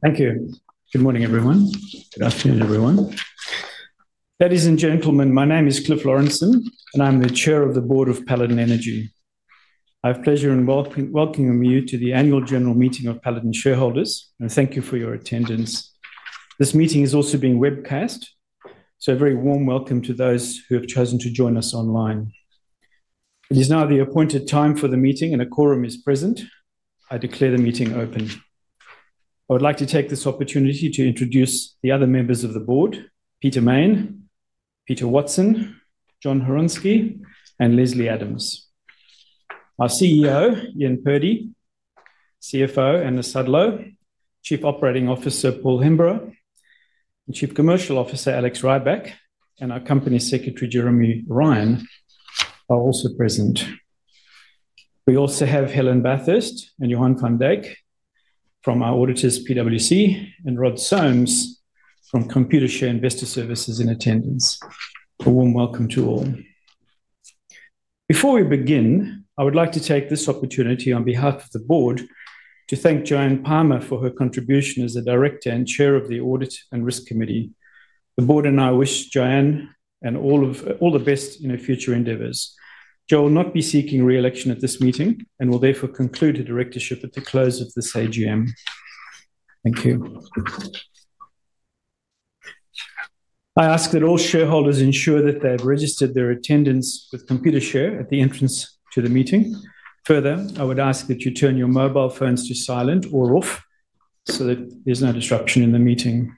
Thank you. Good morning, everyone. Good afternoon, everyone. Ladies and gentlemen, my name is Cliff Lawrenson, and I'm the Chair of the Board of Paladin Energy. I have the pleasure in welcoming you to the Annual General Meeting of Paladin Shareholders, and thank you for your attendance. This meeting is also being webcast, so a very warm welcome to those who have chosen to join us online. It is now the appointed time for the meeting, and a quorum is present. I declare the meeting open. I would like to take this opportunity to introduce the other members of the board: Peter Main, Peter Watson, Jonathan Hronsky, and Lesley Adams. Our CEO, Ian Purdy, CFO, Anna Sudlow, Chief Operating Officer, Paul Hemburrow, Chief Commercial Officer, Alex Rybak, and our Company Secretary, Jeremy Ryan, are also present. We also have Helen Bathurst and Johan van Dyk from our auditors, PwC, and Rod Soames from Computershare Investor Services in attendance. A warm welcome to all. Before we begin, I would like to take this opportunity on behalf of the board to thank Joanne Palmer for her contribution as a Director and Chair of the Audit and Risk Committee. The board and I wish Joanne all the best in her future endeavors. Jo will not be seeking re-election at this meeting and will therefore conclude her directorship at the close of the AGM. Thank you. I ask that all shareholders ensure that they have registered their attendance with Computershare at the entrance to the meeting. Further, I would ask that you turn your mobile phones to silent or off so that there's no disruption in the meeting.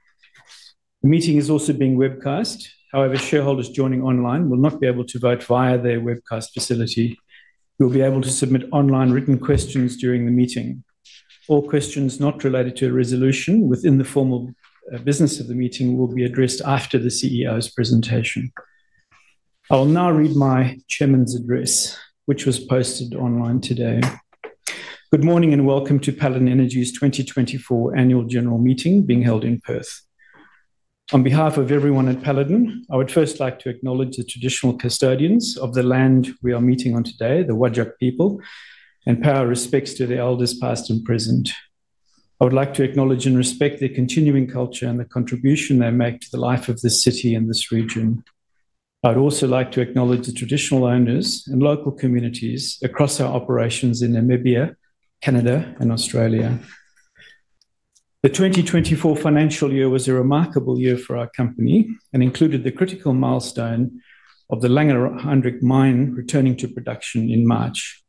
The meeting is also being webcast. However, shareholders joining online will not be able to vote via their webcast facility. You'll be able to submit online written questions during the meeting. All questions not related to a resolution within the formal business of the meeting will be addressed after the CEO's presentation. I will now read my Chairman's address, which was posted online today. Good morning and welcome to Paladin Energy's 2024 Annual General Meeting being held in Perth. On behalf of everyone at Paladin, I would first like to acknowledge the traditional custodians of the land we are meeting on today, the Whadjuk people, and pay our respects to the elders past and present. I would like to acknowledge and respect their continuing culture and the contribution they make to the life of this city and this region. I would also like to acknowledge the traditional owners and local communities across our operations in Namibia, Canada, and Australia. The 2024 financial year was a remarkable year for our company and included the critical milestone of the Langer Heinrich Mine returning to production in March.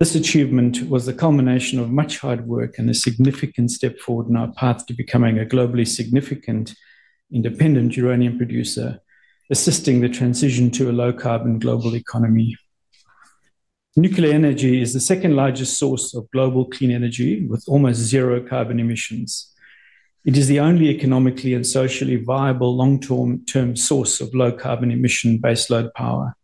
This achievement was the culmination of much hard work and a significant step forward in our path to becoming a globally significant independent uranium producer, assisting the transition to a low-carbon global economy. Nuclear energy is the second largest source of global clean energy with almost zero carbon emissions. It is the only economically and socially viable long-term source of low-carbon emission baseload power.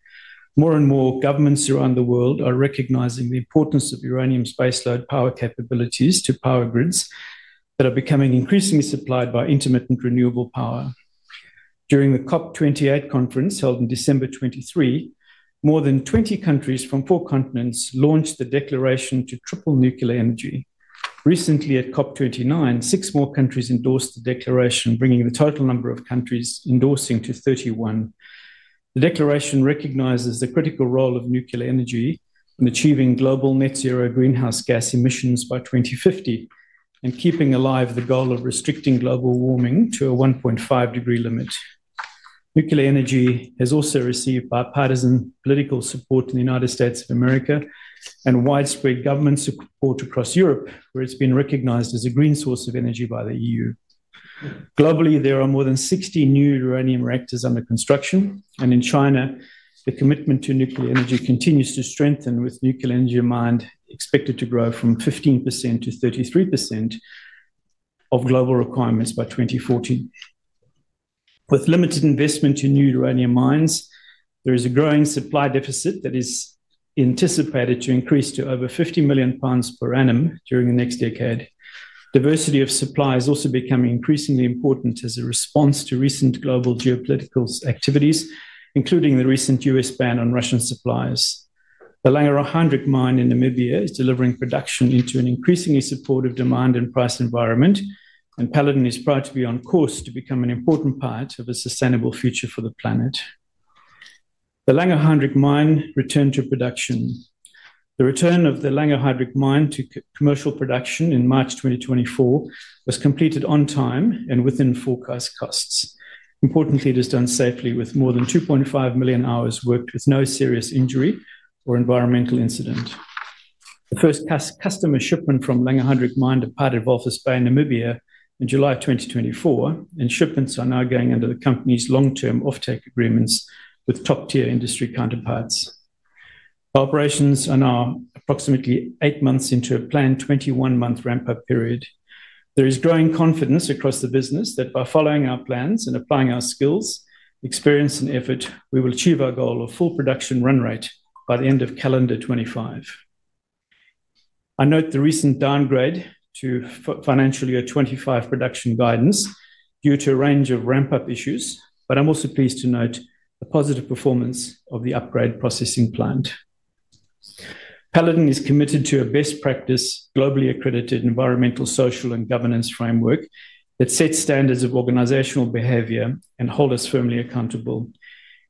More and more governments around the world are recognizing the importance of uranium's baseload power capabilities to power grids that are becoming increasingly supplied by intermittent renewable power. During the COP28 conference held in December 2023, more than 20 countries from four continents launched the declaration to triple nuclear energy. Recently, at COP29, six more countries endorsed the declaration, bringing the total number of countries endorsing to 31. The declaration recognizes the critical role of nuclear energy in achieving global net zero greenhouse gas emissions by 2050 and keeping alive the goal of restricting global warming to a 1.5-degree limit. Nuclear energy has also received bipartisan political support in the United States of America and widespread government support across Europe, where it's been recognized as a green source of energy by the EU. Globally, there are more than 60 new uranium reactors under construction, and in China, the commitment to nuclear energy continues to strengthen, with nuclear energy demand expected to grow from 15% to 33% of global requirements by 2040. With limited investment in new uranium mines, there is a growing supply deficit that is anticipated to increase to over 50 million pounds per annum during the next decade. Diversity of supply is also becoming increasingly important as a response to recent global geopolitical activities, including the recent U.S. ban on Russian suppliers. The Langer Heinrich Mine in Namibia is delivering production into an increasingly supportive demand and price environment, and Paladin is proud to be on course to become an important part of a sustainable future for the planet. The Langer Heinrich Mine returned to production. The return of the Langer Heinrich Mine to commercial production in March 2024 was completed on time and within forecast costs. Importantly, it is done safely, with more than 2.5 million hours worked with no serious injury or environmental incident. The first customer shipment from Langer Heinrich Mine departed Walvis Bay, Namibia, in July 2024, and shipments are now going under the company's long-term offtake agreements with top-tier industry counterparts. Our operations are now approximately eight months into a planned 21-month ramp-up period. There is growing confidence across the business that by following our plans and applying our skills, experience, and effort, we will achieve our goal of full production run rate by the end of calendar 2025. I note the recent downgrade to financial year 2025 production guidance due to a range of ramp-up issues, but I'm also pleased to note the positive performance of the upgrade processing plant. Paladin is committed to a best practice, globally accredited environmental, social, and governance framework that sets standards of organizational behavior and holds us firmly accountable.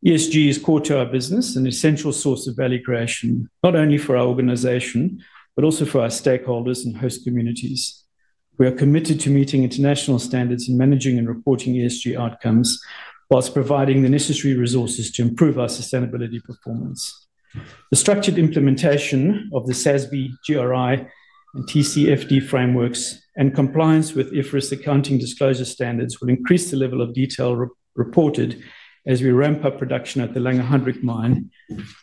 ESG is core to our business, an essential source of value creation, not only for our organization, but also for our stakeholders and host communities. We are committed to meeting international standards in managing and reporting ESG outcomes while providing the necessary resources to improve our sustainability performance. The structured implementation of the SASB, GRI, and TCFD frameworks and compliance with IFRS Accounting Disclosure Standards will increase the level of detail reported as we ramp up production at the Langer Heinrich Mine,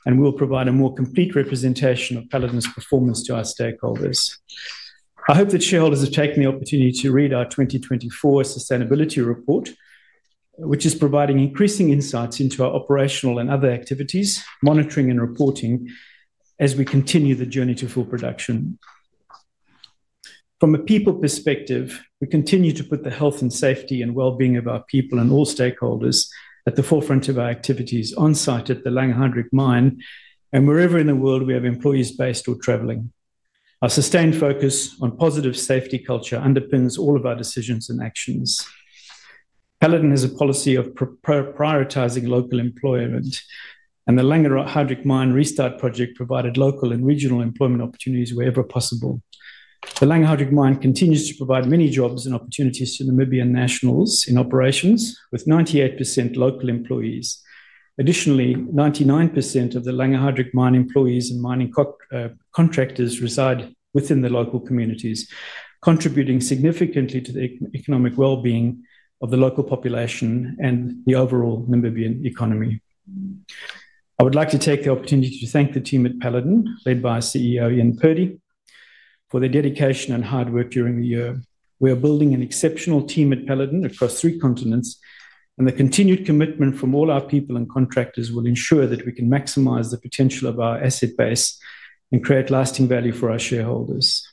and we'll provide a more complete representation of Paladin's performance to our stakeholders. I hope that shareholders have taken the opportunity to read our 2024 sustainability report, which is providing increasing insights into our operational and other activities, monitoring and reporting as we continue the journey to full production. From a people perspective, we continue to put the health and safety and well-being of our people and all stakeholders at the forefront of our activities on site at the Langer Heinrich Mine and wherever in the world we have employees based or traveling. Our sustained focus on positive safety culture underpins all of our decisions and actions. Paladin has a policy of prioritizing local employment, and the Langer Heinrich Mine restart project provided local and regional employment opportunities wherever possible. The Langer Heinrich Mine continues to provide many jobs and opportunities to Namibian nationals in operations with 98% local employees. Additionally, 99% of the Langer Heinrich Mine employees and mining contractors reside within the local communities, contributing significantly to the economic well-being of the local population and the overall Namibian economy. I would like to take the opportunity to thank the team at Paladin, led by CEO Ian Purdy, for their dedication and hard work during the year. We are building an exceptional team at Paladin across three continents, and the continued commitment from all our people and contractors will ensure that we can maximize the potential of our asset base and create lasting value for our shareholders.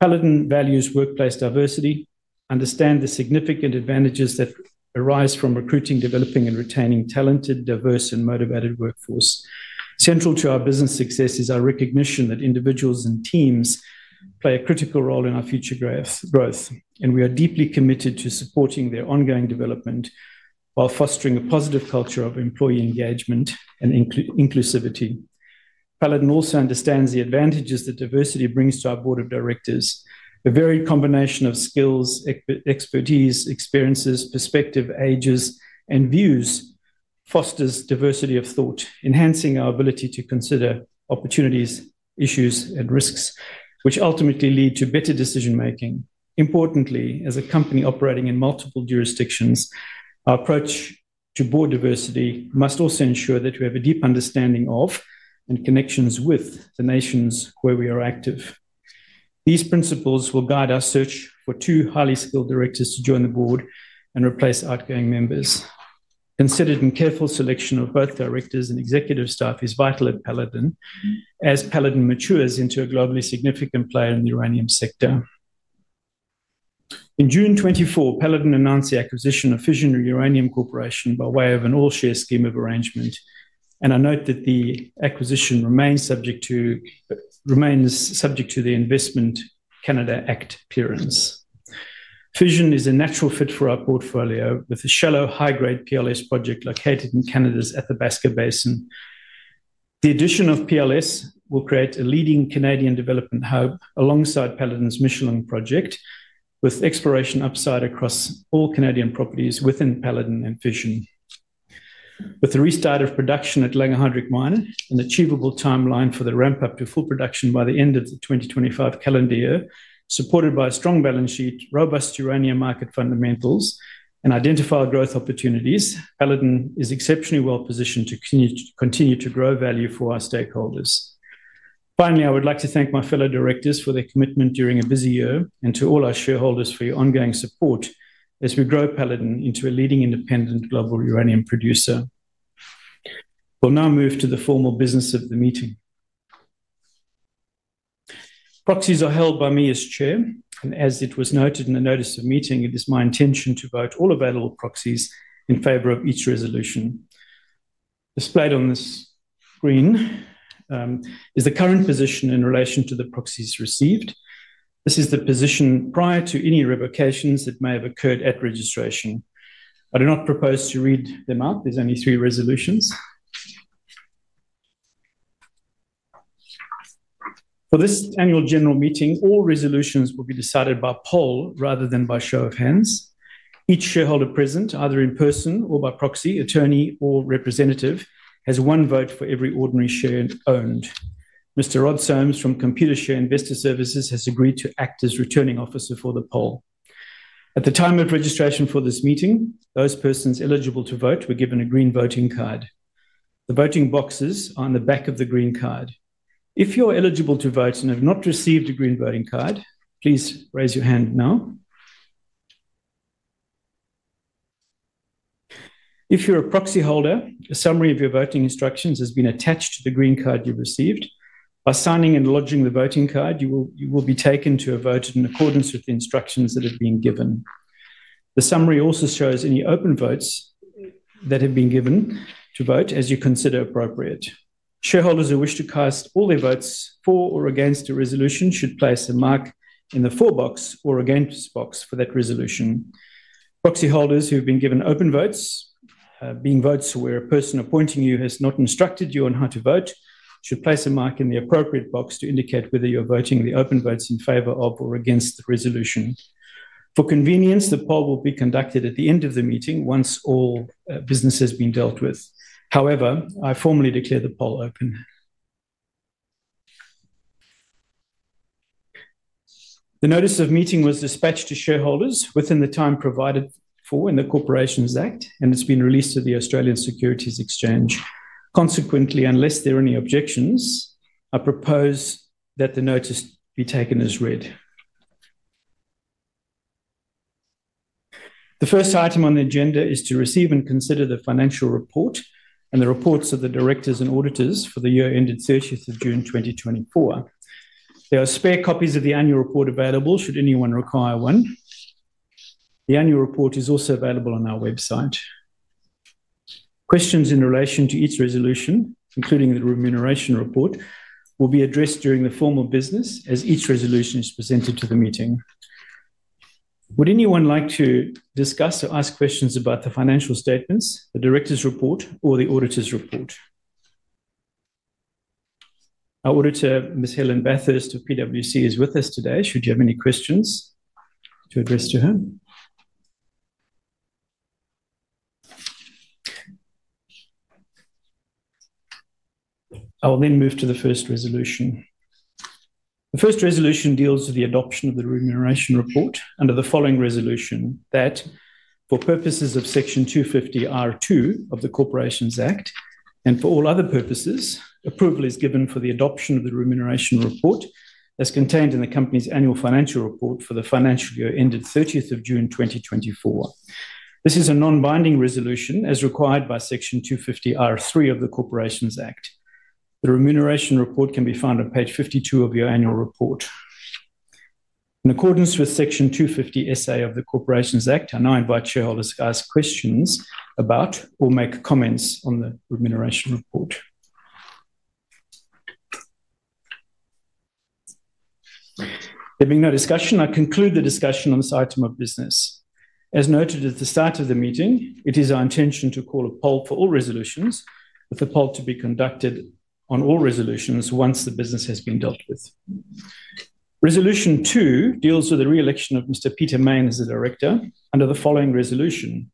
Paladin values workplace diversity, understands the significant advantages that arise from recruiting, developing, and retaining a talented, diverse, and motivated workforce. Central to our business success is our recognition that individuals and teams play a critical role in our future growth, and we are deeply committed to supporting their ongoing development while fostering a positive culture of employee engagement and inclusivity. Paladin also understands the advantages that diversity brings to our board of directors. A varied combination of skills, expertise, experiences, perspective, ages, and views fosters diversity of thought, enhancing our ability to consider opportunities, issues, and risks, which ultimately lead to better decision-making. Importantly, as a company operating in multiple jurisdictions, our approach to board diversity must also ensure that we have a deep understanding of and connections with the nations where we are active. These principles will guide our search for two highly skilled directors to join the board and replace outgoing members. Considered and careful selection of both directors and executive staff is vital at Paladin as Paladin matures into a globally significant player in the uranium sector. In June 2024, Paladin announced the acquisition of Fission Uranium Corporation by way of an all-share plan of arrangement, and I note that the acquisition remains subject to the Investment Canada Act clearance. Fission is a natural fit for our portfolio with a shallow high-grade PLS project located in Canada's Athabasca Basin. The addition of PLS will create a leading Canadian development hub alongside Paladin's Michelin project, with exploration upside across all Canadian properties within Paladin and Fission. With the restart of production at Langer Heinrich mine, an achievable timeline for the ramp-up to full production by the end of the 2025 calendar year, supported by a strong balance sheet, robust uranium market fundamentals, and identified growth opportunities, Paladin is exceptionally well positioned to continue to grow value for our stakeholders. Finally, I would like to thank my fellow directors for their commitment during a busy year and to all our shareholders for your ongoing support as we grow Paladin into a leading independent global uranium producer. We'll now move to the formal business of the meeting. Proxies are held by me as chair, and as it was noted in the notice of meeting, it is my intention to vote all available proxies in favor of each resolution. Displayed on this screen is the current position in relation to the proxies received. This is the position prior to any revocations that may have occurred at registration. I do not propose to read them up. There's only three resolutions. For this annual general meeting, all resolutions will be decided by poll rather than by show of hands. Each shareholder present, either in person or by proxy, attorney, or representative, has one vote for every ordinary share owned. Mr. Rod Soames from Computershare Investor Services has agreed to act as returning officer for the poll. At the time of registration for this meeting, those persons eligible to vote were given a green voting card. The voting boxes are on the back of the green card. If you're eligible to vote and have not received a green voting card, please raise your hand now. If you're a proxy holder, a summary of your voting instructions has been attached to the green card you've received. By signing and lodging the voting card, you will be taken to a vote in accordance with the instructions that have been given. The summary also shows any open votes that have been given to vote as you consider appropriate. Shareholders who wish to cast all their votes for or against a resolution should place a mark in the for box or against box for that resolution. Proxy holders who have been given open votes, being votes where a person appointing you has not instructed you on how to vote, should place a mark in the appropriate box to indicate whether you're voting the open votes in favor of or against the resolution. For convenience, the poll will be conducted at the end of the meeting once all business has been dealt with. However, I formally declare the poll open. The notice of meeting was dispatched to shareholders within the time provided for in the Corporations Act, and it's been released to the Australian Securities Exchange. Consequently, unless there are any objections, I propose that the notice be taken as read. The first item on the agenda is to receive and consider the financial report and the reports of the directors and auditors for the year ended 30th of June 2024. There are spare copies of the annual report available should anyone require one. The annual report is also available on our website. Questions in relation to each resolution, including the remuneration report, will be addressed during the formal business as each resolution is presented to the meeting. Would anyone like to discuss or ask questions about the financial statements, the directors' report, or the auditor's report? Our auditor, Ms. Helen Bathurst of PwC, is with us today. Should you have any questions to address to her? I'll then move to the first resolution. The first resolution deals with the adoption of the remuneration report under the following resolution that, for purposes of Section 250R(2) of the Corporations Act and for all other purposes, approval is given for the adoption of the remuneration report as contained in the company's annual financial report for the financial year ended 30th of June 2024. This is a non-binding resolution as required by Section 250R(3) of the Corporations Act. The remuneration report can be found on page 52 of your annual report. In accordance with Section 250A of the Corporations Act, I now invite shareholders to ask questions about or make comments on the remuneration report. There being no discussion, I conclude the discussion on this item of business. As noted at the start of the meeting, it is our intention to call a poll for all resolutions, with the poll to be conducted on all resolutions once the business has been dealt with. Resolution 2 deals with the re-election of Mr. Peter Main as a director under the following resolution.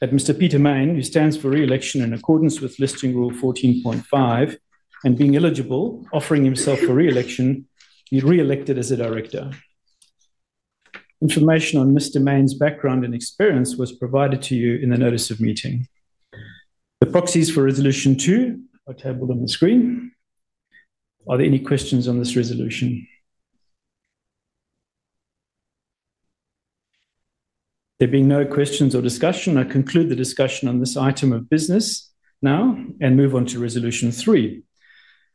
That Mr. Peter Main, who stands for re-election in accordance with Listing Rule 14.5 and being eligible, offering himself for re-election, be re-elected as a director. Information on Mr. Main's background and experience was provided to you in the notice of meeting. The proxies for Resolution 2 are tabled on the screen. Are there any questions on this resolution? There being no questions or discussion, I conclude the discussion on this item of business now and move on to Resolution 3.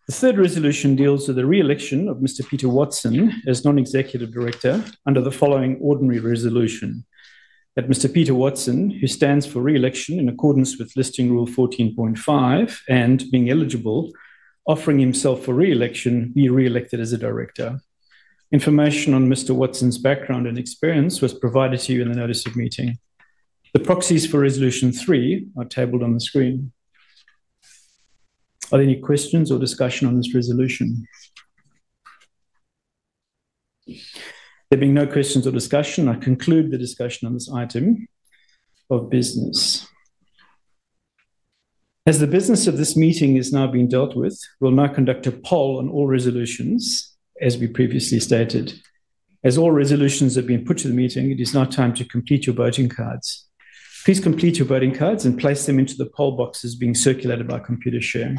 The third resolution deals with the re-election of Mr. Peter Watson as non-executive director under the following ordinary resolution. That Mr. Peter Watson, who stands for re-election in accordance with Listing Rule 14.5 and being eligible, offering himself for re-election, be re-elected as a director. Information on Mr. Watson's background and experience was provided to you in the notice of meeting. The proxies for Resolution 3 are tabled on the screen. Are there any questions or discussion on this resolution? There being no questions or discussion, I conclude the discussion on this item of business. As the business of this meeting is now being dealt with, we'll now conduct a poll on all resolutions as we previously stated. As all resolutions have been put to the meeting, it is now time to complete your voting cards. Please complete your voting cards and place them into the poll boxes being circulated by Computershare.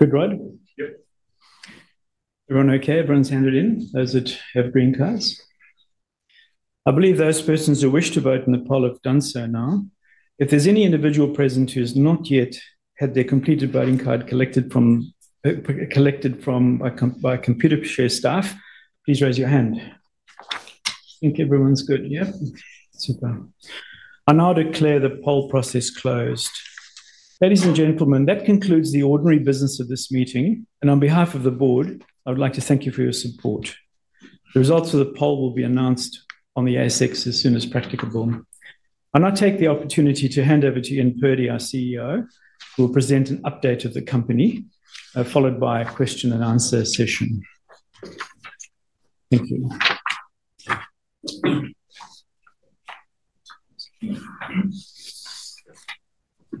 Good, right? Yep. Everyone okay? Everyone's handed in? Those that have green cards? I believe those persons who wish to vote in the poll have done so now. If there's any individual present who has not yet had their completed voting card collected by Computershare staff, please raise your hand. I think everyone's good. Yep. Super. I now declare the poll process closed. Ladies and gentlemen, that concludes the ordinary business of this meeting, and on behalf of the board, I would like to thank you for your support. The results of the poll will be announced on the ASX as soon as practicable. I now take the opportunity to hand over to Ian Purdy, our CEO, who will present an update of the company, followed by a question and answer session. Thank you.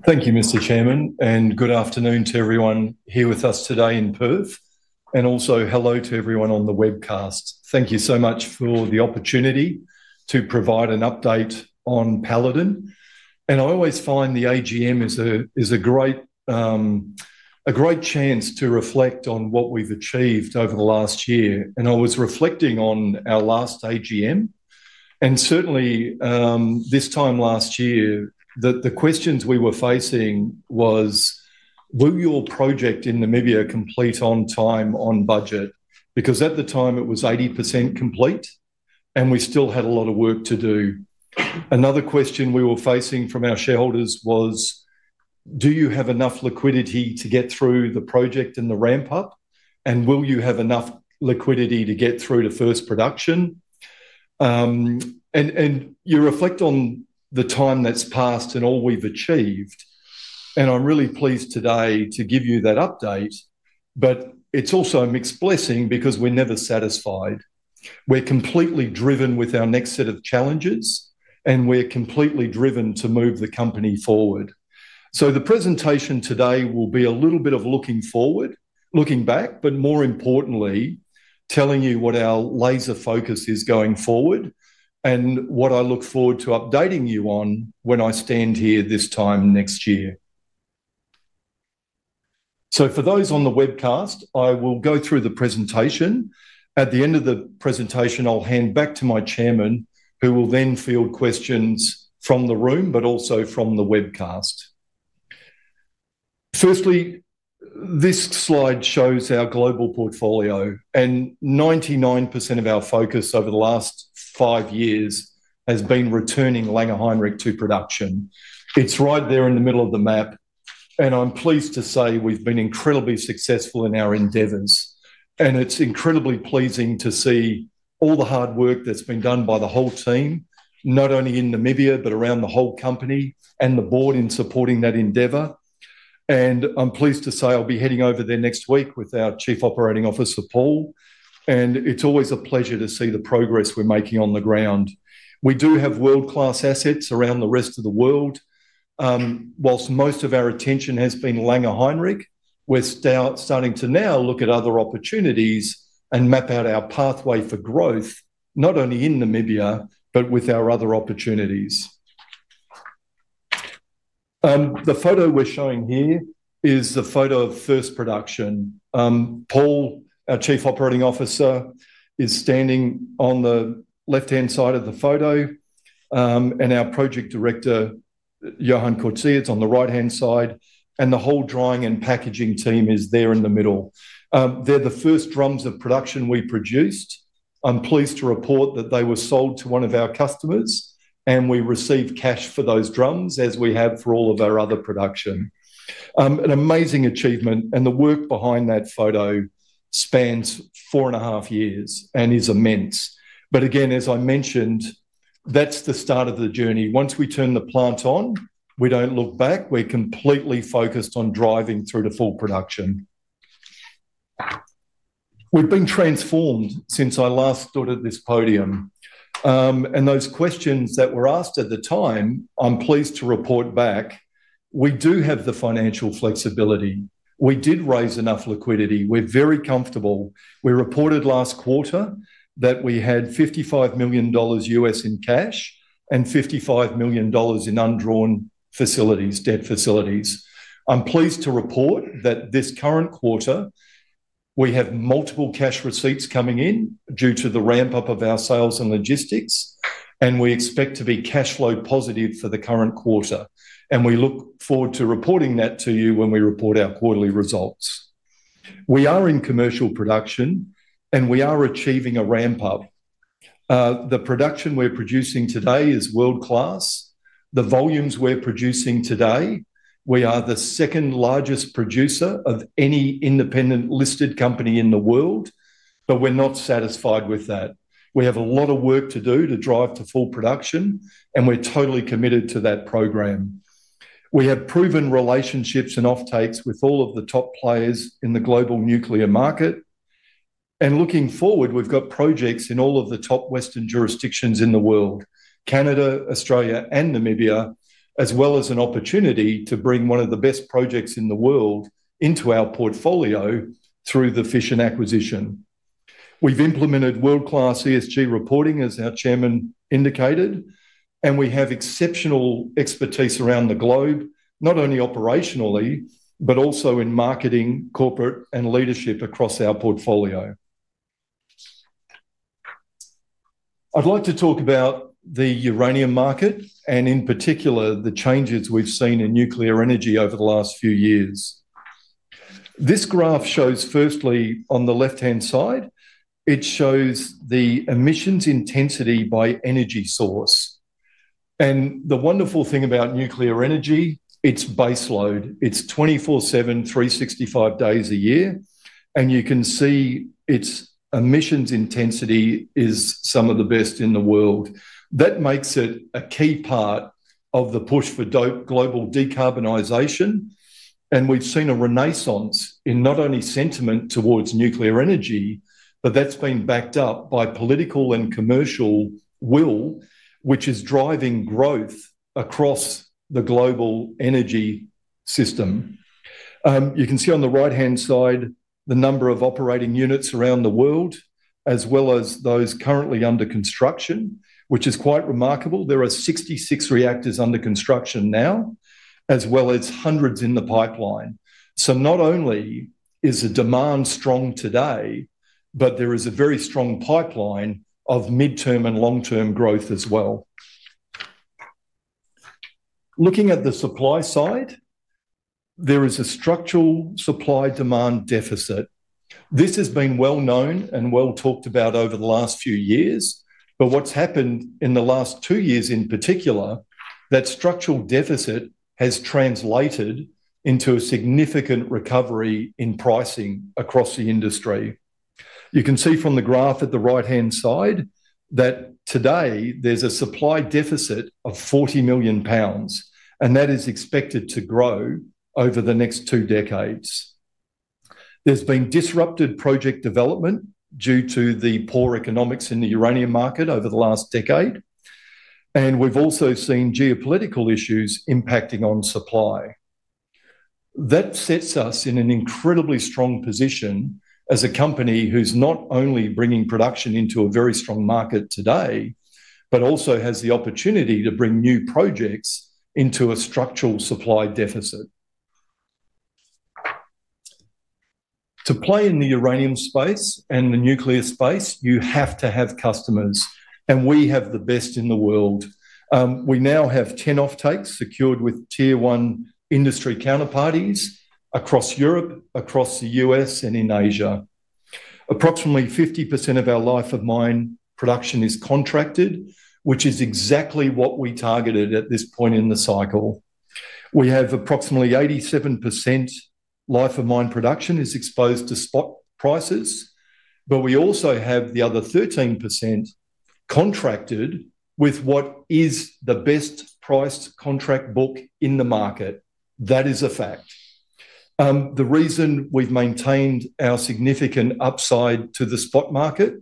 Thank you, Mr. Chairman, and good afternoon to everyone here with us today in Perth, and also hello to everyone on the webcast. Thank you so much for the opportunity to provide an update on Paladin, and I always find the AGM is a great chance to reflect on what we've achieved over the last year, and I was reflecting on our last AGM, and certainly this time last year, the questions we were facing was, "Will your project in Namibia complete on time, on budget?" Because at the time, it was 80% complete, and we still had a lot of work to do. Another question we were facing from our shareholders was, "Do you have enough liquidity to get through the project and the ramp-up? And will you have enough liquidity to get through to first production?" And you reflect on the time that's passed and all we've achieved, and I'm really pleased today to give you that update, but it's also mixed blessing because we're never satisfied. We're completely driven with our next set of challenges, and we're completely driven to move the company forward. So the presentation today will be a little bit of looking forward, looking back, but more importantly, telling you what our laser focus is going forward and what I look forward to updating you on when I stand here this time next year. So for those on the webcast, I will go through the presentation. At the end of the presentation, I'll hand back to my chairman, who will then field questions from the room, but also from the webcast. Firstly, this slide shows our global portfolio, and 99% of our focus over the last five years has been returning Langer Heinrich to production. It's right there in the middle of the map, and I'm pleased to say we've been incredibly successful in our endeavors, and it's incredibly pleasing to see all the hard work that's been done by the whole team, not only in Namibia, but around the whole company and the board in supporting that endeavor, and I'm pleased to say I'll be heading over there next week with our Chief Operating Officer, Paul, and it's always a pleasure to see the progress we're making on the ground. We do have world-class assets around the rest of the world. While most of our attention has been Langer Heinrich, we're starting to now look at other opportunities and map out our pathway for growth, not only in Namibia, but with our other opportunities. The photo we're showing here is the photo of first production. Paul, our Chief Operating Officer, is standing on the left-hand side of the photo, and our Project Director, Johan Coetzee, is on the right-hand side, and the whole drying and packaging team is there in the middle. They're the first drums of production we produced. I'm pleased to report that they were sold to one of our customers, and we received cash for those drums as we have for all of our other production. An amazing achievement, and the work behind that photo spans four and a half years and is immense. But again, as I mentioned, that's the start of the journey. Once we turn the plant on, we don't look back. We're completely focused on driving through to full production. We've been transformed since I last stood at this podium, and those questions that were asked at the time, I'm pleased to report back, we do have the financial flexibility. We did raise enough liquidity. We're very comfortable. We reported last quarter that we had $55 million US in cash and $55 million in undrawn facilities, debt facilities. I'm pleased to report that this current quarter, we have multiple cash receipts coming in due to the ramp-up of our sales and logistics, and we expect to be cash flow positive for the current quarter, and we look forward to reporting that to you when we report our quarterly results. We are in commercial production, and we are achieving a ramp-up. The production we're producing today is world-class. The volumes we're producing today, we are the second largest producer of any independent listed company in the world, but we're not satisfied with that. We have a lot of work to do to drive to full production, and we're totally committed to that program. We have proven relationships and offtakes with all of the top players in the global nuclear market. And looking forward, we've got projects in all of the top Western jurisdictions in the world, Canada, Australia, and Namibia, as well as an opportunity to bring one of the best projects in the world into our portfolio through the Fission acquisition. We've implemented world-class ESG reporting, as our chairman indicated, and we have exceptional expertise around the globe, not only operationally, but also in marketing, corporate, and leadership across our portfolio. I'd like to talk about the uranium market and, in particular, the changes we've seen in nuclear energy over the last few years. This graph shows, firstly, on the left-hand side, it shows the emissions intensity by energy source, and the wonderful thing about nuclear energy, it's baseload. It's 24/7, 365 days a year, and you can see its emissions intensity is some of the best in the world. That makes it a key part of the push for global decarbonization, and we've seen a renaissance in not only sentiment towards nuclear energy, but that's been backed up by political and commercial will, which is driving growth across the global energy system. You can see on the right-hand side the number of operating units around the world, as well as those currently under construction, which is quite remarkable. There are 66 reactors under construction now, as well as hundreds in the pipeline. So not only is the demand strong today, but there is a very strong pipeline of mid-term and long-term growth as well. Looking at the supply side, there is a structural supply-demand deficit. This has been well known and well talked about over the last few years, but what's happened in the last two years in particular, that structural deficit has translated into a significant recovery in pricing across the industry. You can see from the graph at the right-hand side that today there's a supply deficit of 40 million pounds, and that is expected to grow over the next two decades. There's been disrupted project development due to the poor economics in the uranium market over the last decade, and we've also seen geopolitical issues impacting on supply. That sets us in an incredibly strong position as a company who's not only bringing production into a very strong market today, but also has the opportunity to bring new projects into a structural supply deficit. To play in the uranium space and the nuclear space, you have to have customers, and we have the best in the world. We now have 10 offtakes secured with tier-one industry counterparties across Europe, across the U.S., and in Asia. Approximately 50% of our life-of-mine production is contracted, which is exactly what we targeted at this point in the cycle. We have approximately 87% life-of-mine production is exposed to spot prices, but we also have the other 13% contracted with what is the best-priced contract book in the market. That is a fact. The reason we've maintained our significant upside to the spot market,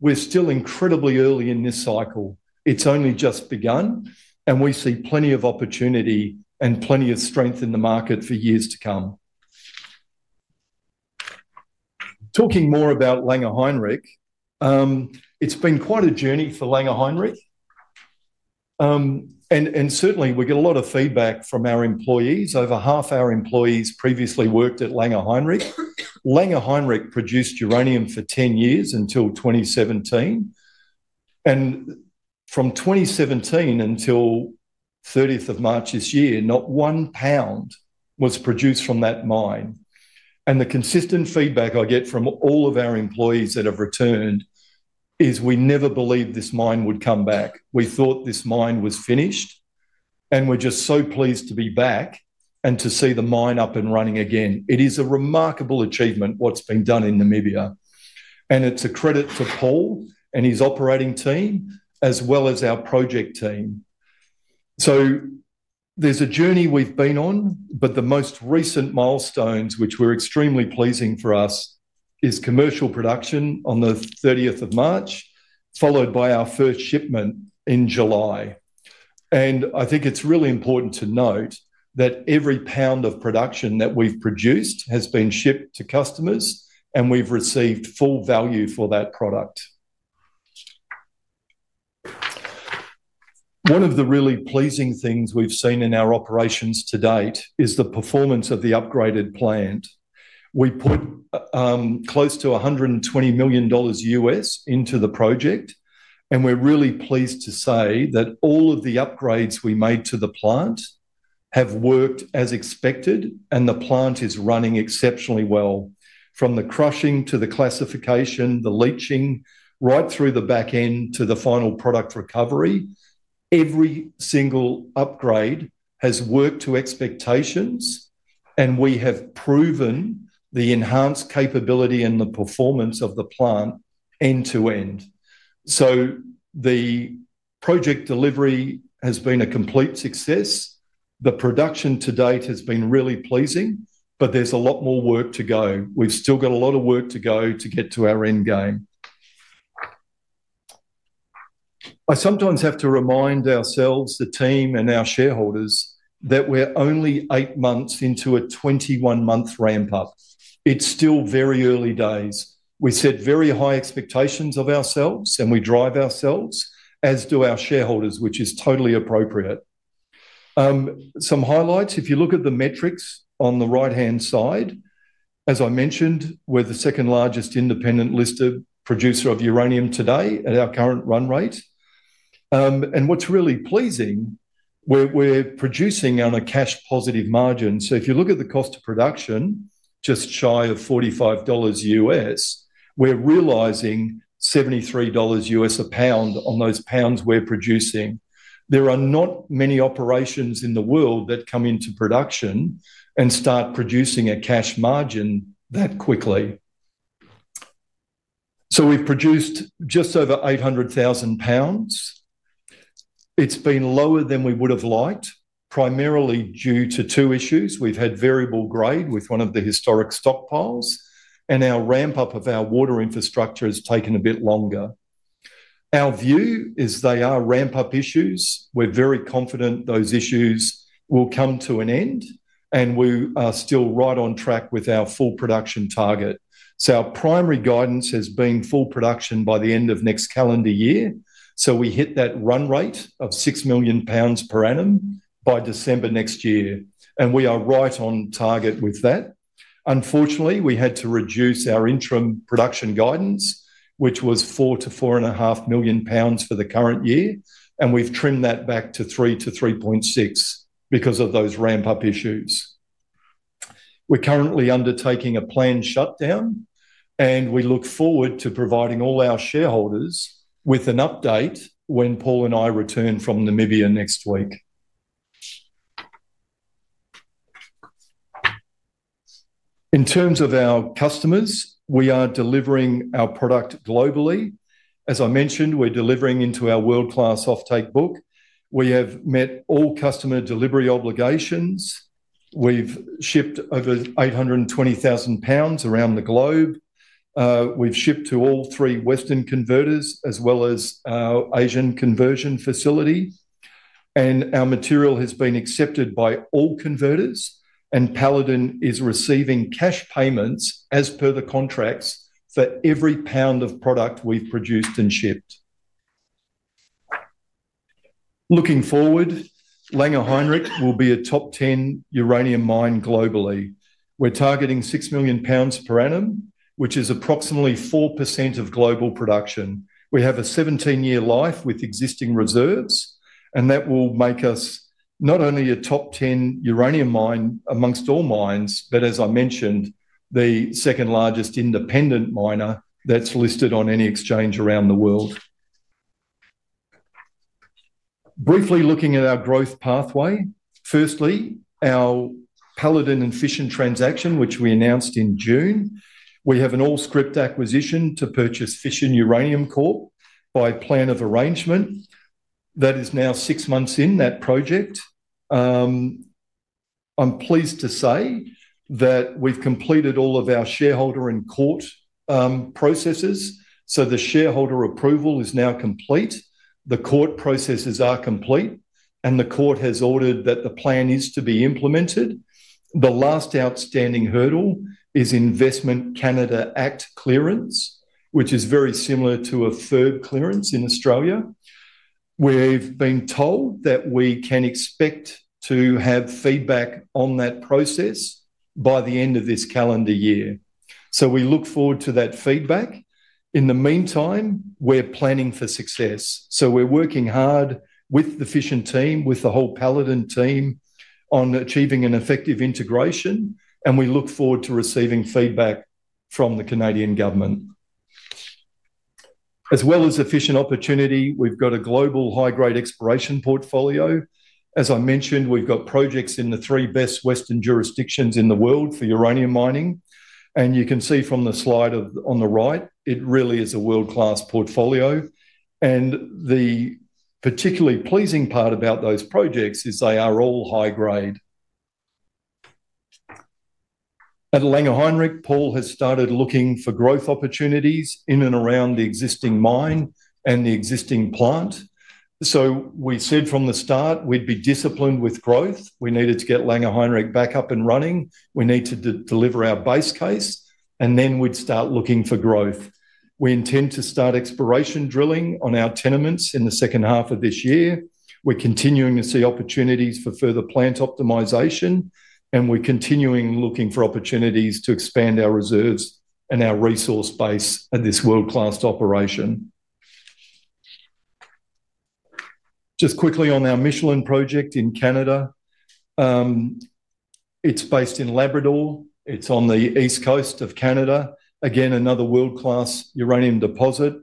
we're still incredibly early in this cycle. It's only just begun, and we see plenty of opportunity and plenty of strength in the market for years to come. Talking more about Langer Heinrich, it's been quite a journey for Langer Heinrich, and certainly we get a lot of feedback from our employees. Over half our employees previously worked at Langer Heinrich. Langer Heinrich produced uranium for 10 years until 2017, and from 2017 until 30th of March this year, not one pound was produced from that mine. And the consistent feedback I get from all of our employees that have returned is, "We never believed this mine would come back. We thought this mine was finished, and we're just so pleased to be back and to see the mine up and running again." It is a remarkable achievement what's been done in Namibia, and it's a credit to Paul and his operating team as well as our project team. So there's a journey we've been on, but the most recent milestones, which were extremely pleasing for us, is commercial production on the 30th of March, followed by our first shipment in July. And I think it's really important to note that every pound of production that we've produced has been shipped to customers, and we've received full value for that product. One of the really pleasing things we've seen in our operations to date is the performance of the upgraded plant. We put close to $120 million into the project, and we're really pleased to say that all of the upgrades we made to the plant have worked as expected, and the plant is running exceptionally well. From the crushing to the classification, the leaching, right through the back end to the final product recovery, every single upgrade has worked to expectations, and we have proven the enhanced capability and the performance of the plant end to end. So the project delivery has been a complete success. The production to date has been really pleasing, but there's a lot more work to go. We've still got a lot of work to go to get to our end game. I sometimes have to remind ourselves, the team and our shareholders, that we're only eight months into a 21-month ramp-up. It's still very early days. We set very high expectations of ourselves, and we drive ourselves, as do our shareholders, which is totally appropriate. Some highlights, if you look at the metrics on the right-hand side, as I mentioned, we're the second largest independent listed producer of uranium today at our current run rate. And what's really pleasing, we're producing on a cash-positive margin. So if you look at the cost of production, just shy of $45, we're realizing $73 a pound on those pounds we're producing. There are not many operations in the world that come into production and start producing a cash margin that quickly. So we've produced just over 800,000 pounds. It's been lower than we would have liked, primarily due to two issues. We've had variable grade with one of the historic stockpiles, and our ramp-up of our water infrastructure has taken a bit longer. Our view is they are ramp-up issues. We're very confident those issues will come to an end, and we are still right on track with our full production target. So our primary guidance has been full production by the end of next calendar year. So we hit that run rate of 6 million per annum by December next year, and we are right on target with that. Unfortunately, we had to reduce our interim production guidance, which was 4-4.5 million for the current year, and we've trimmed that back to 3-3.6 because of those ramp-up issues. We're currently undertaking a planned shutdown, and we look forward to providing all our shareholders with an update when Paul and I return from Namibia next week. In terms of our customers, we are delivering our product globally. As I mentioned, we're delivering into our world-class offtake book. We have met all customer delivery obligations. We've shipped over 820,000 pounds around the globe. We've shipped to all three Western converters as well as our Asian conversion facility, and our material has been accepted by all converters, and Paladin is receiving cash payments as per the contracts for every pound of product we've produced and shipped. Looking forward, Langer Heinrich will be a top 10 uranium mine globally. We're targeting 6 million pounds per annum, which is approximately 4% of global production. We have a 17-year life with existing reserves, and that will make us not only a top 10 uranium mine amongst all mines, but, as I mentioned, the second largest independent miner that's listed on any exchange around the world. Briefly looking at our growth pathway, firstly, our Paladin and Fission Transaction, which we announced in June. We have an all-share acquisition to purchase Fission Uranium Corp by plan of arrangement. That is now six months in that project. I'm pleased to say that we've completed all of our shareholder and court processes. So the shareholder approval is now complete. The court processes are complete, and the court has ordered that the plan is to be implemented. The last outstanding hurdle is Investment Canada Act clearance, which is very similar to a FIRB clearance in Australia. We've been told that we can expect to have feedback on that process by the end of this calendar year. So we look forward to that feedback. In the meantime, we're planning for success. So we're working hard with the Fission team, with the whole Paladin team on achieving an effective integration, and we look forward to receiving feedback from the Canadian government. As well as a Fission opportunity, we've got a global high-grade exploration portfolio. As I mentioned, we've got projects in the three best Western jurisdictions in the world for uranium mining, and you can see from the slide on the right, it really is a world-class portfolio, and the particularly pleasing part about those projects is they are all high-grade. At Langer Heinrich, Paul has started looking for growth opportunities in and around the existing mine and the existing plant, so we said from the start we'd be disciplined with growth. We needed to get Langer Heinrich back up and running. We need to deliver our base case, and then we'd start looking for growth. We intend to start exploration drilling on our tenements in the second half of this year. We're continuing to see opportunities for further plant optimization, and we're continuing looking for opportunities to expand our reserves and our resource base at this world-class operation. Just quickly on our Michelin Project in Canada, it's based in Labrador. It's on the east coast of Canada. Again, another world-class uranium deposit.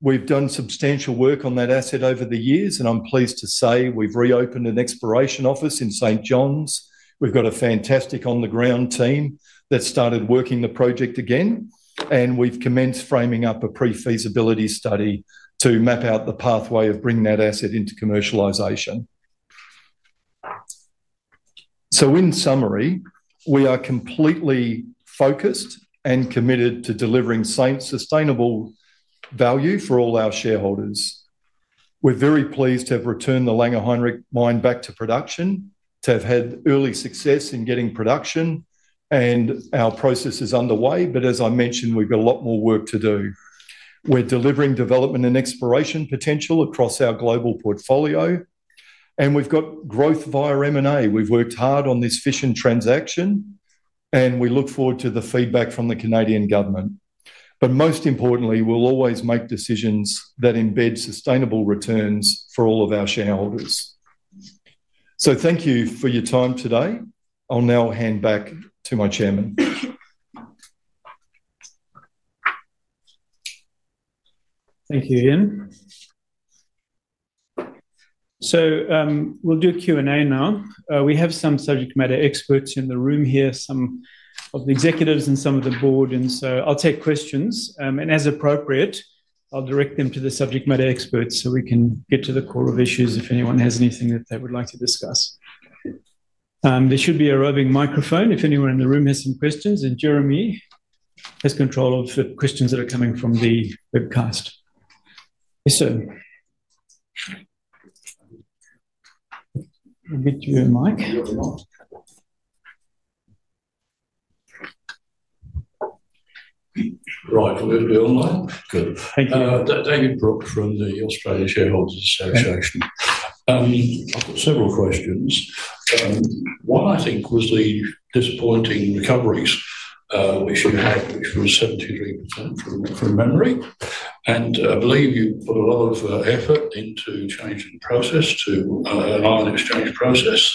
We've done substantial work on that asset over the years, and I'm pleased to say we've reopened an exploration office in St. John's. We've got a fantastic on-the-ground team that started working the project again, and we've commenced framing up a pre-feasibility study to map out the pathway of bringing that asset into commercialization. So in summary, we are completely focused and committed to delivering sustainable value for all our shareholders. We're very pleased to have returned the Langer Heinrich Mine back to production, to have had early success in getting production, and our process is underway, but as I mentioned, we've got a lot more work to do. We're delivering development and exploration potential across our global portfolio, and we've got growth via M&A. We've worked hard on this Fission transaction, and we look forward to the feedback from the Canadian government. But most importantly, we'll always make decisions that embed sustainable returns for all of our shareholders. So thank you for your time today. I'll now hand back to my chairman. Thank you, Ian. So we'll do a Q&A now. We have some subject matter experts in the room here, some of the executives and some of the board, and so I'll take questions, and as appropriate, I'll direct them to the subject matter experts so we can get to the core of issues if anyone has anything that they would like to discuss. There should be a roving microphone if anyone in the room has some questions, and Jeremy has control of the questions that are coming from the webcast. Yes, sir. We'll get to you, Mike. Right, we're online. Good. Thank you. David Brooke from the Australian Shareholders' Association. I've got several questions. One, I think, was the disappointing recoveries we should have, which was 73% from memory, and I believe you put a lot of effort into changing the process to an ion exchange process,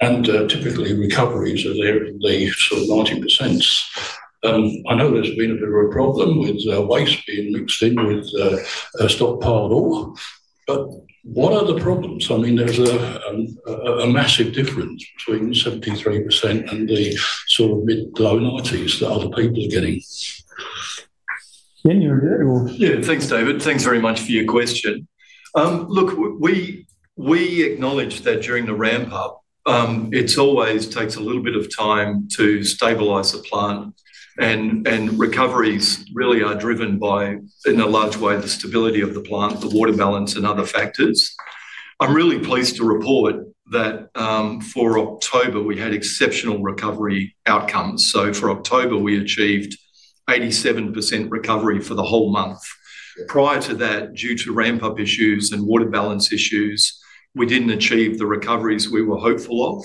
and typically recoveries are there in the sort of 90%. I know there's been a bit of a problem with waste being mixed in with stockpile ore, but what are the problems? I mean, there's a massive difference between 73% and the sort of mid-to-low 90s% that other people are getting. Ian, you're good or? Yeah, thanks, David. Thanks very much for your question. Look, we acknowledge that during the ramp-up, it always takes a little bit of time to stabilize the plant, and recoveries really are driven by, in a large way, the stability of the plant, the water balance, and other factors. I'm really pleased to report that for October, we had exceptional recovery outcomes, so for October, we achieved 87% recovery for the whole month. Prior to that, due to ramp-up issues and water balance issues, we didn't achieve the recoveries we were hopeful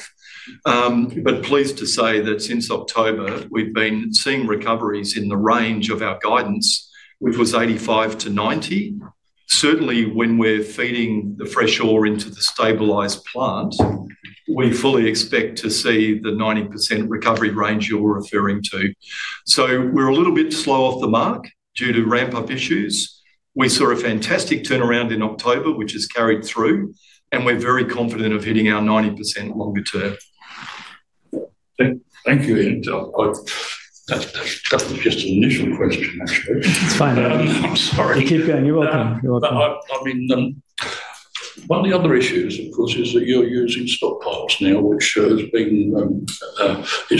of, but pleased to say that since October, we've been seeing recoveries in the range of our guidance, which was 85%-90%. Certainly, when we're feeding the fresh ore into the stabilized plant, we fully expect to see the 90% recovery range you're referring to. So we're a little bit slow off the mark due to ramp-up issues. We saw a fantastic turnaround in October, which has carried through, and we're very confident of hitting our 90% longer term. Thank you, Ian. That was just an initial question, actually. It's fine. I'm sorry. Keep going. You're welcome. You're welcome. I mean, one of the other issues, of course, is that you're using stockpiles now, which has been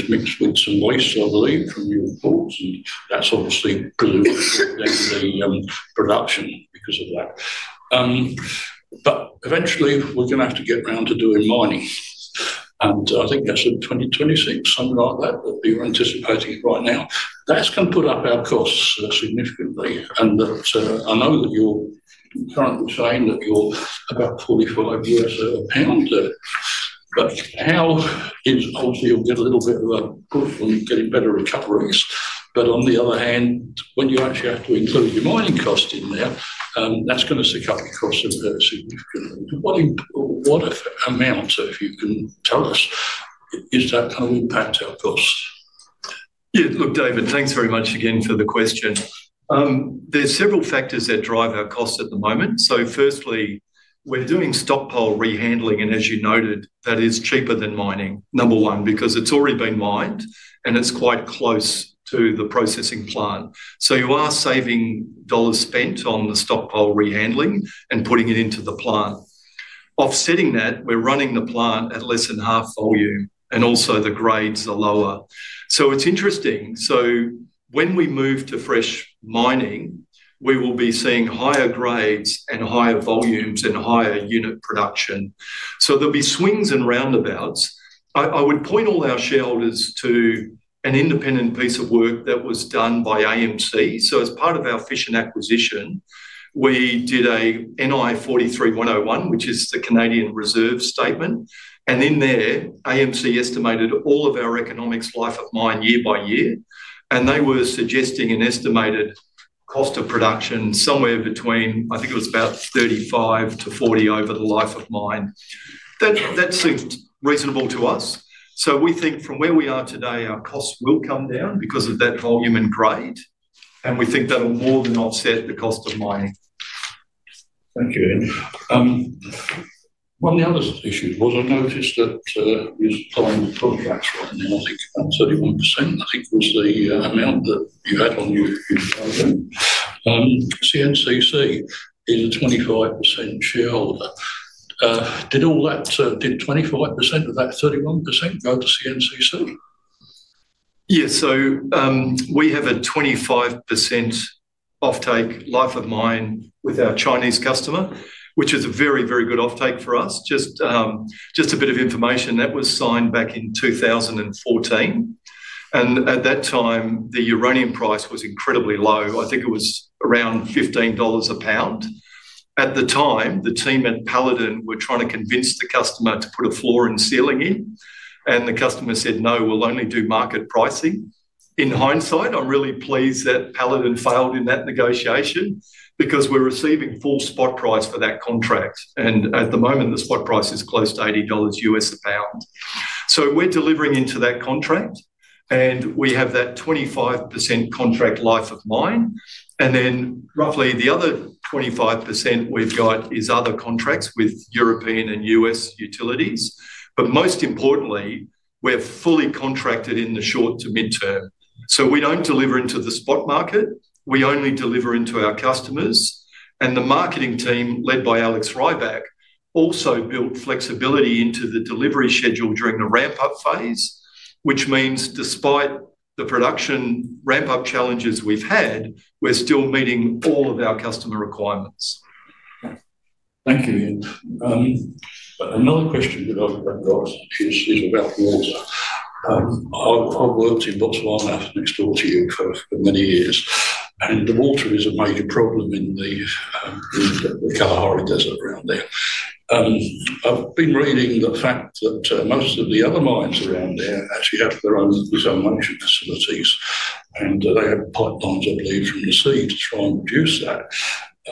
mixed with some waste, I believe, from your reports, and that's obviously good in the production because of that. But eventually, we're going to have to get around to doing mining, and I think that's a 2026, something like that, that you're anticipating right now. That's going to put up our costs significantly, and I know that you're currently saying that you're about $45 a pound there. But how is obviously you'll get a little bit of a push on getting better recoveries, but on the other hand, when you actually have to include your mining cost in there, that's going to jack up your costs significantly. What amount, if you can tell us, is that going to impact our costs? Yeah, look, David, thanks very much again for the question. There's several factors that drive our costs at the moment. So firstly, we're doing stockpile rehandling, and as you noted, that is cheaper than mining, number one, because it's already been mined and it's quite close to the processing plant. So you are saving dollars spent on the stockpile rehandling and putting it into the plant. Offsetting that, we're running the plant at less than half volume, and also the grades are lower. So it's interesting. So when we move to fresh mining, we will be seeing higher grades and higher volumes and higher unit production. So there'll be swings and roundabouts. I would point all our shareholders to an independent piece of work that was done by AMC. So as part of our Fission acquisition, we did a NI 43-101, which is the Canadian reserve statement, and in there, AMC estimated all of our economic life of mine year by year, and they were suggesting an estimated cost of production somewhere between, I think it was about $35-$40 over the life of mine. That seemed reasonable to us. So we think from where we are today, our costs will come down because of that volume and grade, and we think that'll more than offset the cost of mining. Thank you, Ian. One of the other issues was I noticed that you're selling the contract right now, I think 31%, I think was the amount that you had on your CNNC is a 25% shareholder. Did 25% of that 31% go to CNNC? Yeah, so we have a 25% offtake life of mine with our Chinese customer, which is a very, very good offtake for us. Just a bit of information, that was signed back in 2014, and at that time, the uranium price was incredibly low. I think it was around $15 a pound. At the time, the team at Paladin were trying to convince the customer to put a floor and ceiling in, and the customer said, "No, we'll only do market pricing." In hindsight, I'm really pleased that Paladin failed in that negotiation because we're receiving full spot price for that contract, and at the moment, the spot price is close to $80 US a pound. So we're delivering into that contract, and we have that 25% contract life of mine, and then roughly the other 25% we've got is other contracts with European and U.S. utilities, but most importantly, we're fully contracted in the short to midterm. So we don't deliver into the spot market. We only deliver into our customers, and the marketing team led by Alex Rybak also built flexibility into the delivery schedule during the ramp-up phase, which means despite the production ramp-up challenges we've had, we're still meeting all of our customer requirements. Thank you, Ian. Another question that I've got is about water. I've worked in Botswana next door to you for many years, and the water is a major problem in the Kalahari Desert around there. I've been reading the fact that most of the other mines around there actually have their own desalination facilities, and they have pipelines, I believe, from the sea to try and produce that.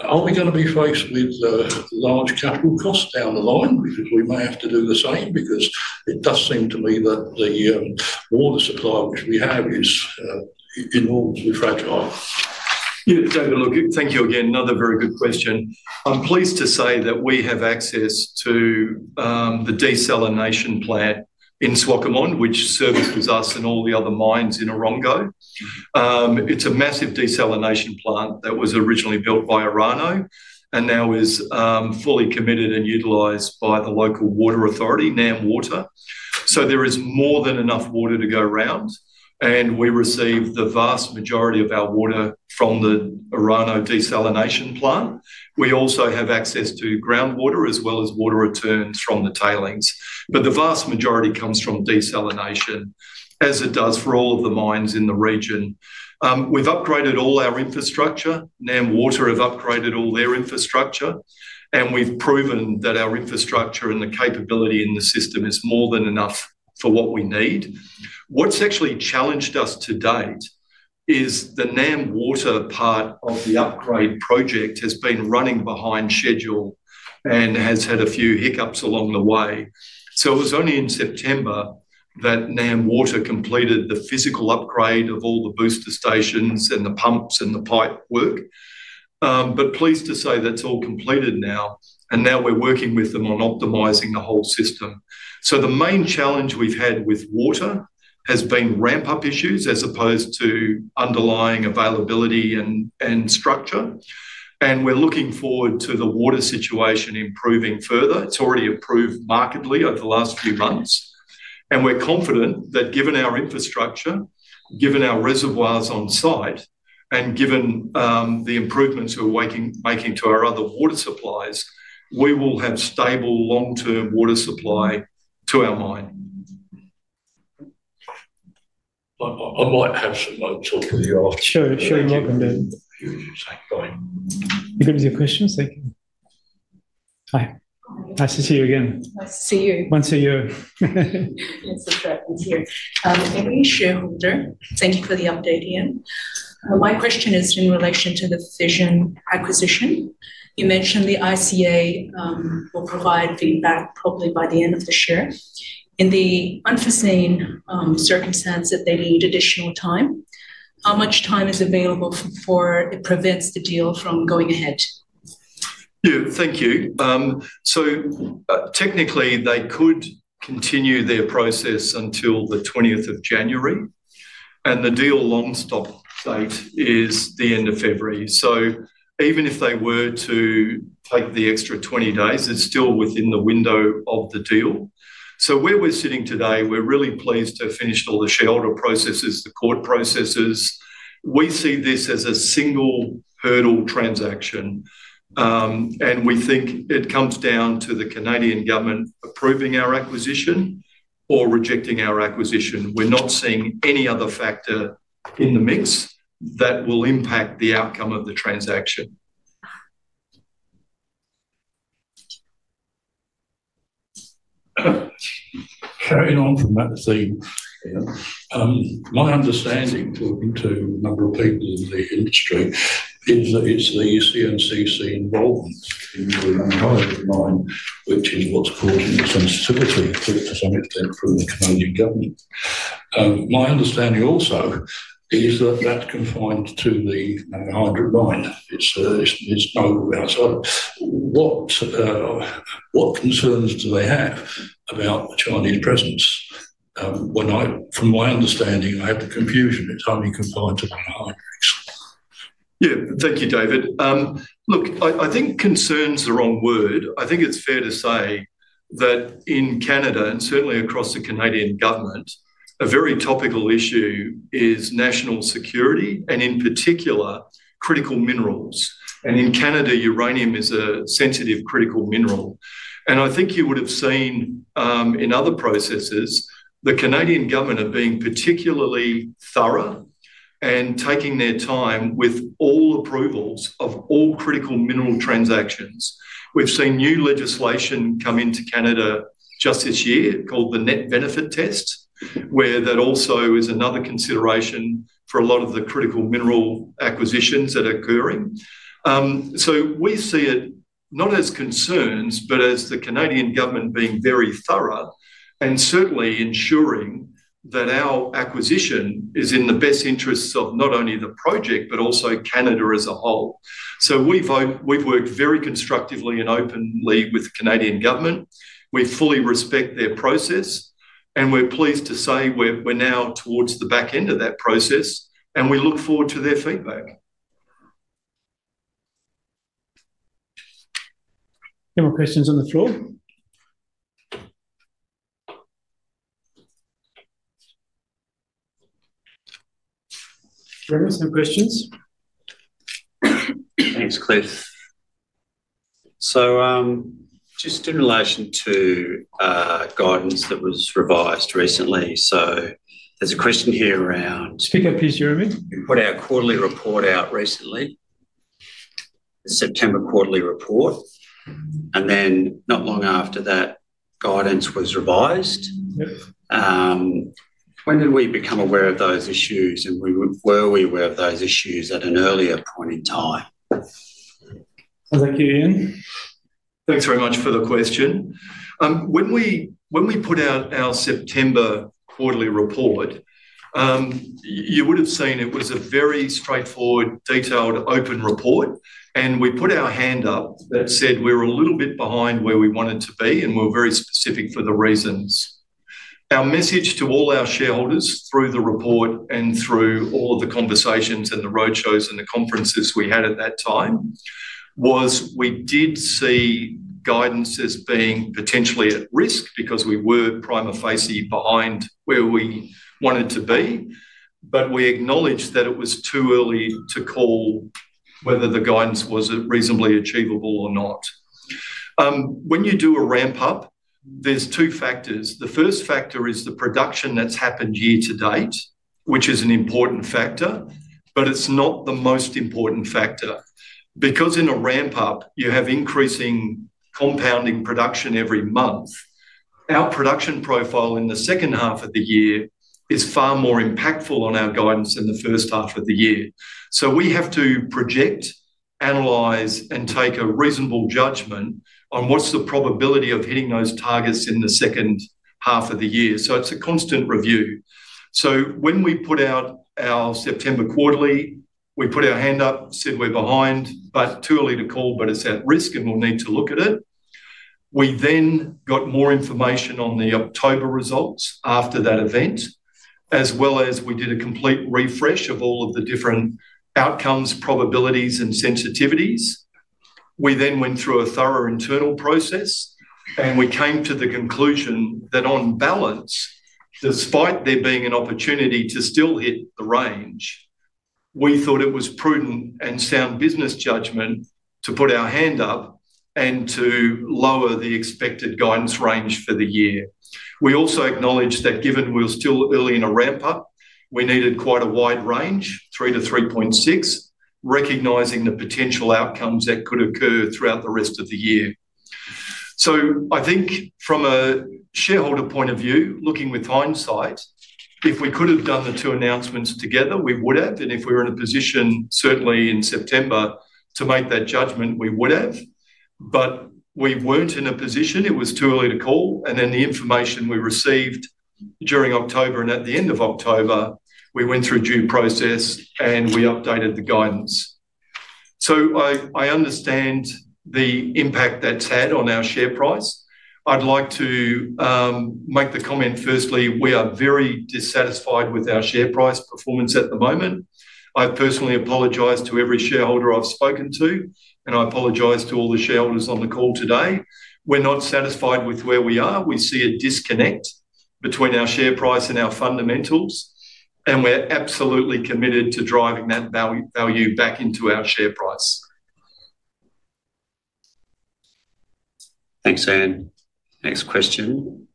Are we going to be faced with large capital costs down the line because we may have to do the same? Because it does seem to me that the water supply which we have is enormously fragile. Yeah, David, look, thank you again. Another very good question. I'm pleased to say that we have access to the desalination plant in Swakopmund, which services us and all the other mines in Erongo. It's a massive desalination plant that was originally built by Orano and now is fully committed and utilized by the local water authority, NamWater. So there is more than enough water to go around, and we receive the vast majority of our water from the Orano desalination plant. We also have access to groundwater as well as water returns from the tailings, but the vast majority comes from desalination, as it does for all of the mines in the region. We've upgraded all our infrastructure. NamWater have upgraded all their infrastructure, and we've proven that our infrastructure and the capability in the system is more than enough for what we need. What's actually challenged us to date is the NamWater part of the upgrade project has been running behind schedule and has had a few hiccups along the way. So it was only in September that NamWater completed the physical upgrade of all the booster stations and the pumps and the pipe work, but pleased to say that's all completed now, and now we're working with them on optimizing the whole system. So the main challenge we've had with water has been ramp-up issues as opposed to underlying availability and structure, and we're looking forward to the water situation improving further. It's already improved markedly over the last few months, and we're confident that given our infrastructure, given our reservoirs on site, and given the improvements we're making to our other water supplies, we will have stable long-term water supply to our mine. I might have some notes off the off. Sure, sure. You're welcome, David. You're good. You're good with your questions? Thank you. Hi. Nice to see you again. Nice to see you. Once a year. It's a pleasure to be here. Emily Shareholder, thank you for the update, Ian. My question is in relation to the Fission acquisition. You mentioned the ICA will provide feedback probably by the end of Q3. In the unforeseen circumstance that they need additional time, how much time is available before it prevents the deal from going ahead? Yeah, thank you. So technically, they could continue their process until the 20th of January, and the deal long-stop date is the end of February. So even if they were to take the extra 20 days, it's still within the window of the deal. So where we're sitting today, we're really pleased to have finished all the shareholder processes, the court processes. We see this as a single hurdle transaction, and we think it comes down to the Canadian government approving our acquisition or rejecting our acquisition. We're not seeing any other factor in the mix that will impact the outcome of the transaction. Carrying on from that, Ian, my understanding talking to a number of people in the industry is that it's the CNNC involvement in the Orano mine, which is what's causing the sensitivity to some extent from the Canadian government. My understanding also is that that's confined to the Orano mine. It's nowhere outside. What concerns do they have about the Chinese presence? From my understanding, that's the confusion. It's only confined to the Orano mine. Yeah, thank you, David. Look, I think concern's the wrong word. I think it's fair to say that in Canada, and certainly across the Canadian government, a very topical issue is national security and in particular, critical minerals. And in Canada, uranium is a sensitive critical mineral. And I think you would have seen in other processes the Canadian government being particularly thorough and taking their time with all approvals of all critical mineral transactions. We've seen new legislation come into Canada just this year called the Net Benefit Test, where that also is another consideration for a lot of the critical mineral acquisitions that are occurring. So we see it not as concerns, but as the Canadian government being very thorough and certainly ensuring that our acquisition is in the best interests of not only the project, but also Canada as a whole. So we've worked very constructively and openly with the Canadian government. We fully respect their process, and we're pleased to say we're now towards the back end of that process, and we look forward to their feedback. Any more questions on the floor? Jeremy, some questions? Thanks, Cliff. So just in relation to guidance that was revised recently, so there's a question here around. Speak up, please, Jeremy. We put our quarterly report out recently, the September quarterly report, and then not long after that, guidance was revised. When did we become aware of those issues, and were we aware of those issues at an earlier point in time? Thank you, Ian. Thanks very much for the question. When we put out our September quarterly report, you would have seen it was a very straightforward, detailed, open report, and we put our hand up that said we were a little bit behind where we wanted to be, and we were very specific for the reasons. Our message to all our shareholders through the report and through all of the conversations and the roadshows and the conferences we had at that time was we did see guidance as being potentially at risk because we were prima facie behind where we wanted to be, but we acknowledged that it was too early to call whether the guidance was reasonably achievable or not. When you do a ramp-up, there are two factors. The first factor is the production that's happened year to date, which is an important factor, but it's not the most important factor. Because in a ramp-up, you have increasing compounding production every month, our production profile in the second half of the year is far more impactful on our guidance than the first half of the year. So we have to project, analyze, and take a reasonable judgment on what's the probability of hitting those targets in the second half of the year. So it's a constant review. So when we put out our September quarterly, we put our hand up, said we're behind, but too early to call, but it's at risk and we'll need to look at it. We then got more information on the October results after that event, as well as we did a complete refresh of all of the different outcomes, probabilities, and sensitivities. We then went through a thorough internal process, and we came to the conclusion that on balance, despite there being an opportunity to still hit the range, we thought it was prudent and sound business judgment to put our hand up and to lower the expected guidance range for the year. We also acknowledged that given we were still early in a ramp-up, we needed quite a wide range, 3 to 3.6, recognizing the potential outcomes that could occur throughout the rest of the year. So I think from a shareholder point of view, looking with hindsight, if we could have done the two announcements together, we would have, and if we were in a position certainly in September to make that judgment, we would have, but we weren't in a position. It was too early to call, and then the information we received during October and at the end of October, we went through due process and we updated the guidance. So I understand the impact that's had on our share price. I'd like to make the comment firstly, we are very dissatisfied with our share price performance at the moment. I personally apologize to every shareholder I've spoken to, and I apologize to all the shareholders on the call today. We're not satisfied with where we are. We see a disconnect between our share price and our fundamentals, and we're absolutely committed to driving that value back into our share price. Thanks, Ian. Next question.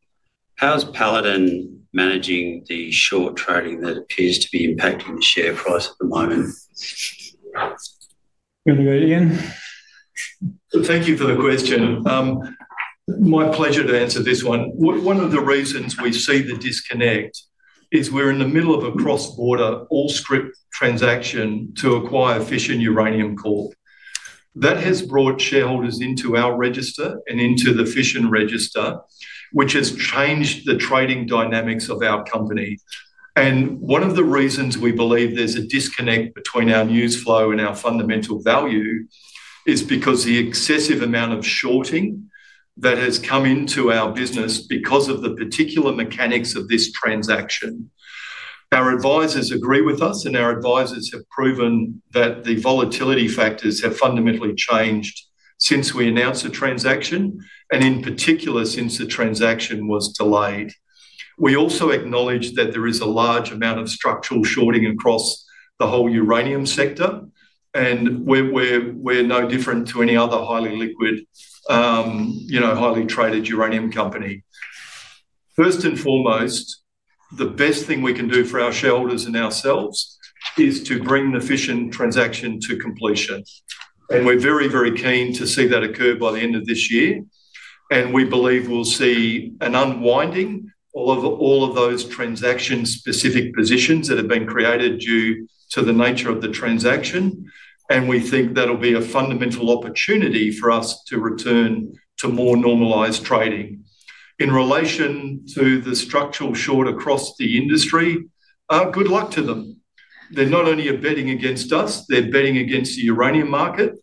How's Paladin managing the short trading that appears to be impacting the share price at the moment? You want to go, Ian? Thank you for the question. My pleasure to answer this one. One of the reasons we see the disconnect is we're in the middle of a cross-border all-share transaction to acquire Fission Uranium Corp. That has brought shareholders into our register and into the Fission register, which has changed the trading dynamics of our company. And one of the reasons we believe there's a disconnect between our news flow and our fundamental value is because of the excessive amount of shorting that has come into our business because of the particular mechanics of this transaction. Our advisors agree with us, and our advisors have proven that the volatility factors have fundamentally changed since we announced the transaction, and in particular, since the transaction was delayed. We also acknowledge that there is a large amount of structural shorting across the whole uranium sector, and we're no different to any other highly liquid, highly traded uranium company. First and foremost, the best thing we can do for our shareholders and ourselves is to bring the Fission transaction to completion, and we're very, very keen to see that occur by the end of this year, and we believe we'll see an unwinding of all of those transaction-specific positions that have been created due to the nature of the transaction, and we think that'll be a fundamental opportunity for us to return to more normalized trading. In relation to the structural short across the industry, good luck to them. They're not only betting against us, they're betting against the uranium market,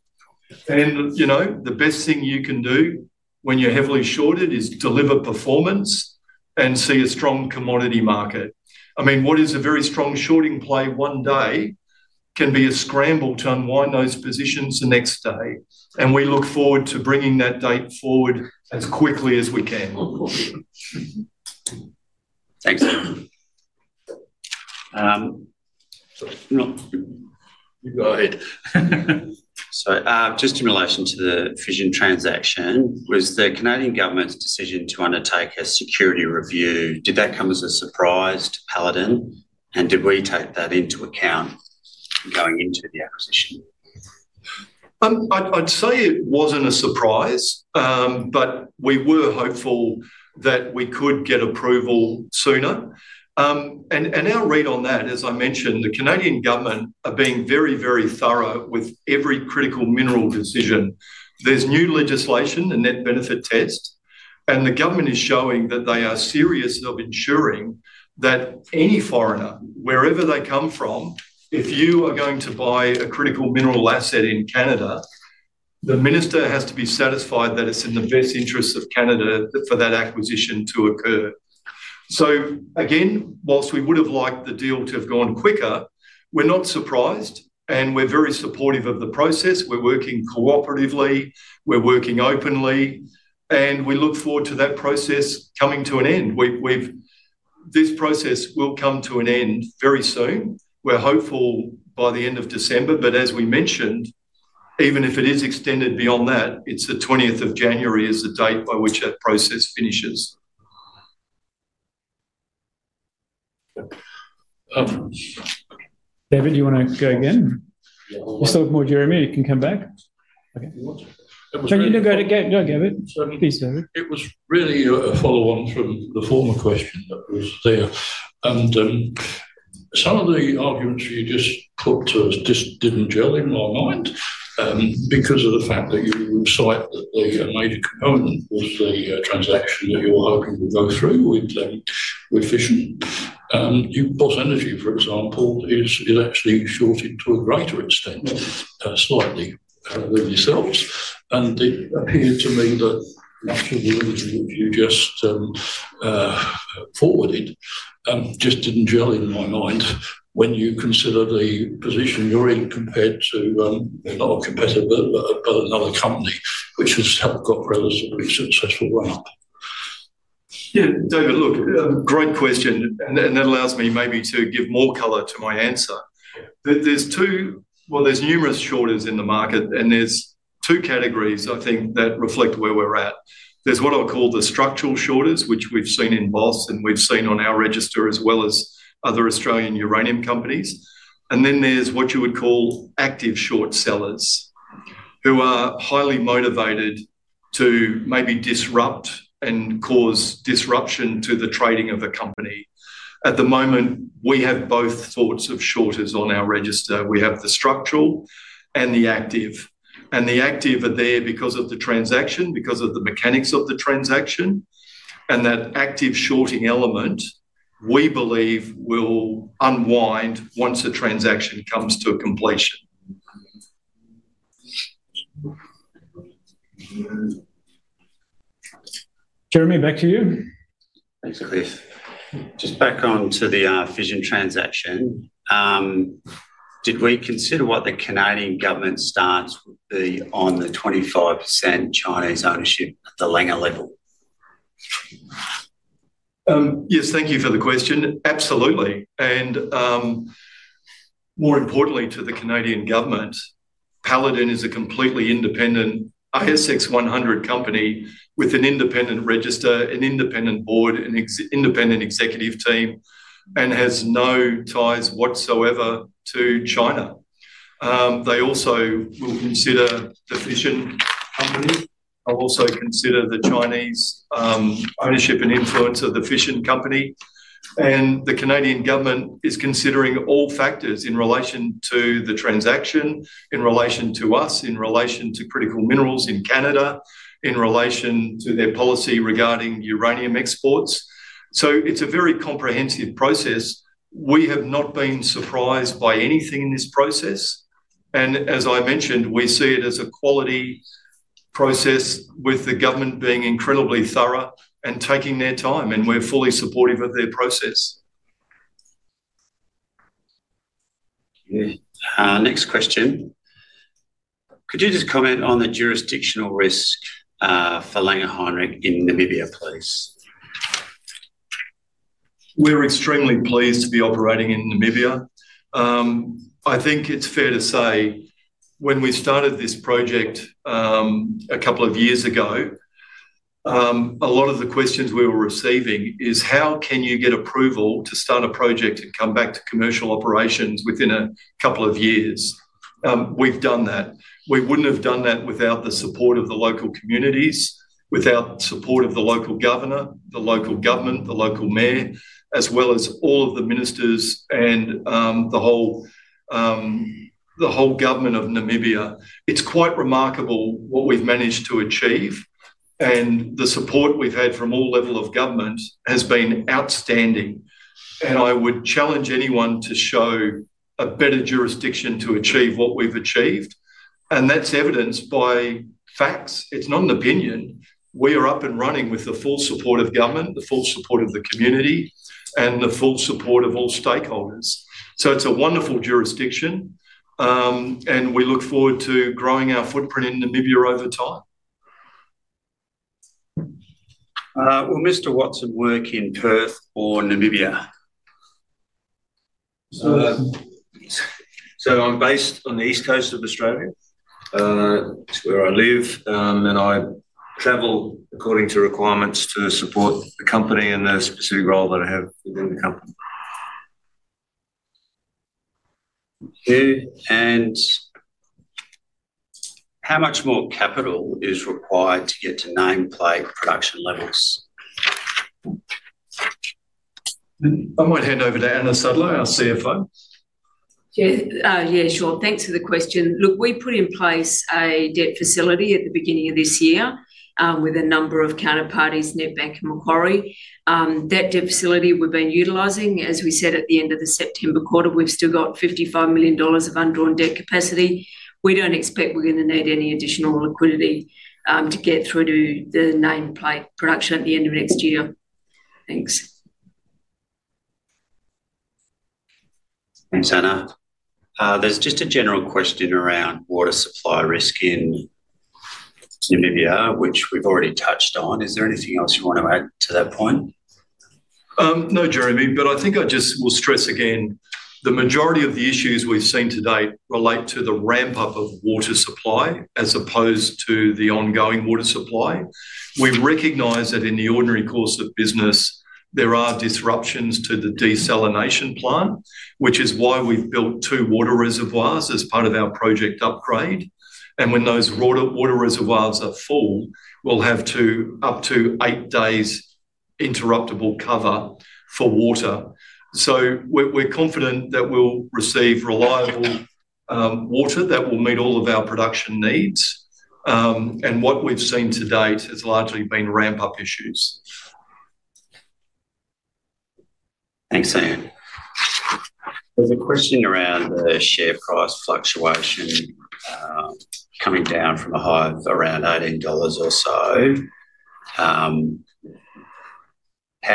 and the best thing you can do when you're heavily shorted is deliver performance and see a strong commodity market. I mean, what is a very strong shorting play one day can be a scramble to unwind those positions the next day, and we look forward to bringing that date forward as quickly as we can. Thanks. You go ahead. So just in relation to the Fission transaction, was the Canadian government's decision to undertake a security review a surprise to Paladin, and did we take that into account going into the acquisition? I'd say it wasn't a surprise, but we were hopeful that we could get approval sooner, and I'll read on that. As I mentioned, the Canadian government are being very, very thorough with every critical mineral decision. There's new legislation, the Net Benefit Test, and the government is showing that they are serious of ensuring that any foreigner, wherever they come from, if you are going to buy a critical mineral asset in Canada, the minister has to be satisfied that it's in the best interests of Canada for that acquisition to occur. So again, whilst we would have liked the deal to have gone quicker, we're not surprised, and we're very supportive of the process. We're working cooperatively, we're working openly, and we look forward to that process coming to an end. This process will come to an end very soon. We're hopeful by the end of December, but as we mentioned, even if it is extended beyond that, it's the 20th of January is the date by which that process finishes. David, do you want to go again? You still have more, Jeremy? You can come back. Okay. No, go ahead. No, go ahead. Please, David. It was really a follow-on from the former question that was there, and some of the arguments you just put to us just didn't gel in my mind because of the fact that you cite that the major component was the transaction that you were hoping would go through with Fission, and your Boss Energy, for example, is actually shorted to a greater extent, slightly, than yourselves, and it appeared to me that much of the reason that you just forwarded just didn't gel in my mind when you consider the position you're in compared to, not a competitor, but another company, which has had such a successful run-up. Yeah, David, look, great question, and that allows me maybe to give more color to my answer. Well, there's numerous shortages in the market, and there's two categories, I think, that reflect where we're at. There's what I would call the structural shortages, which we've seen in Boss and we've seen on our register as well as other Australian uranium companies. And then there's what you would call active short sellers who are highly motivated to maybe disrupt and cause disruption to the trading of a company. At the moment, we have both sorts of shortages on our register. We have the structural and the active. And the active are there because of the transaction, because of the mechanics of the transaction, and that active shorting element we believe will unwind once the transaction comes to completion. Jeremy, back to you. Thanks, Cliff. Just back on to the Fission transaction. Did we consider what the Canadian government's stance would be on the 25% Chinese ownership at the Langer level? Yes, thank you for the question. Absolutely. And more importantly to the Canadian government, Paladin is a completely independent ASX 100 company with an independent register, an independent board, an independent executive team, and has no ties whatsoever to China. They also will consider the Fission company. I'll also consider the Chinese ownership and influence of the Fission company. And the Canadian government is considering all factors in relation to the transaction, in relation to us, in relation to critical minerals in Canada, in relation to their policy regarding uranium exports. So it's a very comprehensive process. We have not been surprised by anything in this process. And as I mentioned, we see it as a quality process with the government being incredibly thorough and taking their time, and we're fully supportive of their process. Next question. Could you just comment on the jurisdictional risk for Langer Heinrich in Namibia, please? We're extremely pleased to be operating in Namibia. I think it's fair to say when we started this project a couple of years ago, a lot of the questions we were receiving is, how can you get approval to start a project and come back to commercial operations within a couple of years? We've done that. We wouldn't have done that without the support of the local communities, without the support of the local governor, the local government, the local mayor, as well as all of the ministers and the whole government of Namibia. It's quite remarkable what we've managed to achieve, and the support we've had from all levels of government has been outstanding, and I would challenge anyone to show a better jurisdiction to achieve what we've achieved, and that's evidenced by facts. It's not an opinion. We are up and running with the full support of government, the full support of the community, and the full support of all stakeholders. So it's a wonderful jurisdiction, and we look forward to growing our footprint in Namibia over time. Will Mr. Watson work in Perth or Namibia? I'm based on the east coast of Australia. It's where I live, and I travel according to requirements to support the company and the specific role that I have within the company. How much more capital is required to get to nameplate production levels? I might hand over to Anna Sudlow, our CFO. Yeah, sure. Thanks for the question. Look, we put in place a debt facility at the beginning of this year with a number of counterparties, Nedbank and Macquarie. That debt facility we've been utilizing, as we said at the end of the September quarter, we've still got $55 million of undrawn debt capacity. We don't expect we're going to need any additional liquidity to get through to the nameplate production at the end of next year. Thanks. Thanks, Anna. There's just a general question around water supply risk in Namibia, which we've already touched on. Is there anything else you want to add to that point? No, Jeremy, but I think I just will stress again, the majority of the issues we've seen to date relate to the ramp-up of water supply as opposed to the ongoing water supply. We recognize that in the ordinary course of business, there are disruptions to the desalination plant, which is why we've built two water reservoirs as part of our project upgrade, and when those water reservoirs are full, we'll have up to eight days interruptible cover for water, so we're confident that we'll receive reliable water that will meet all of our production needs, and what we've seen to date has largely been ramp-up issues. Thanks, Ian. There's a question around the share price fluctuation coming down from a high of around 18 dollars or so. How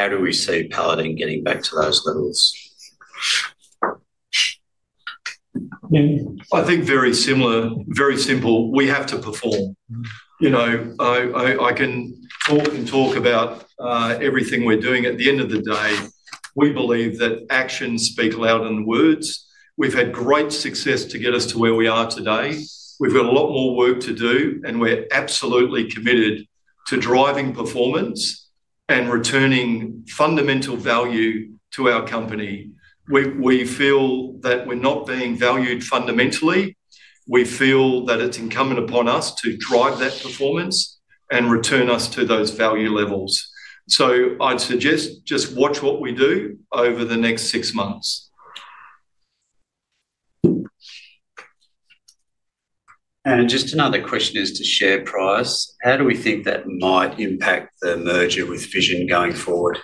do we see Paladin getting back to those levels? I think very similar, very simple. We have to perform. I can talk and talk about everything we're doing. At the end of the day, we believe that actions speak louder than words. We've had great success to get us to where we are today. We've got a lot more work to do, and we're absolutely committed to driving performance and returning fundamental value to our company. We feel that we're not being valued fundamentally. We feel that it's incumbent upon us to drive that performance and return us to those value levels. So I'd suggest just watch what we do over the next six months. Just another question is to share price. How do we think that might impact the merger with Fission and going forward?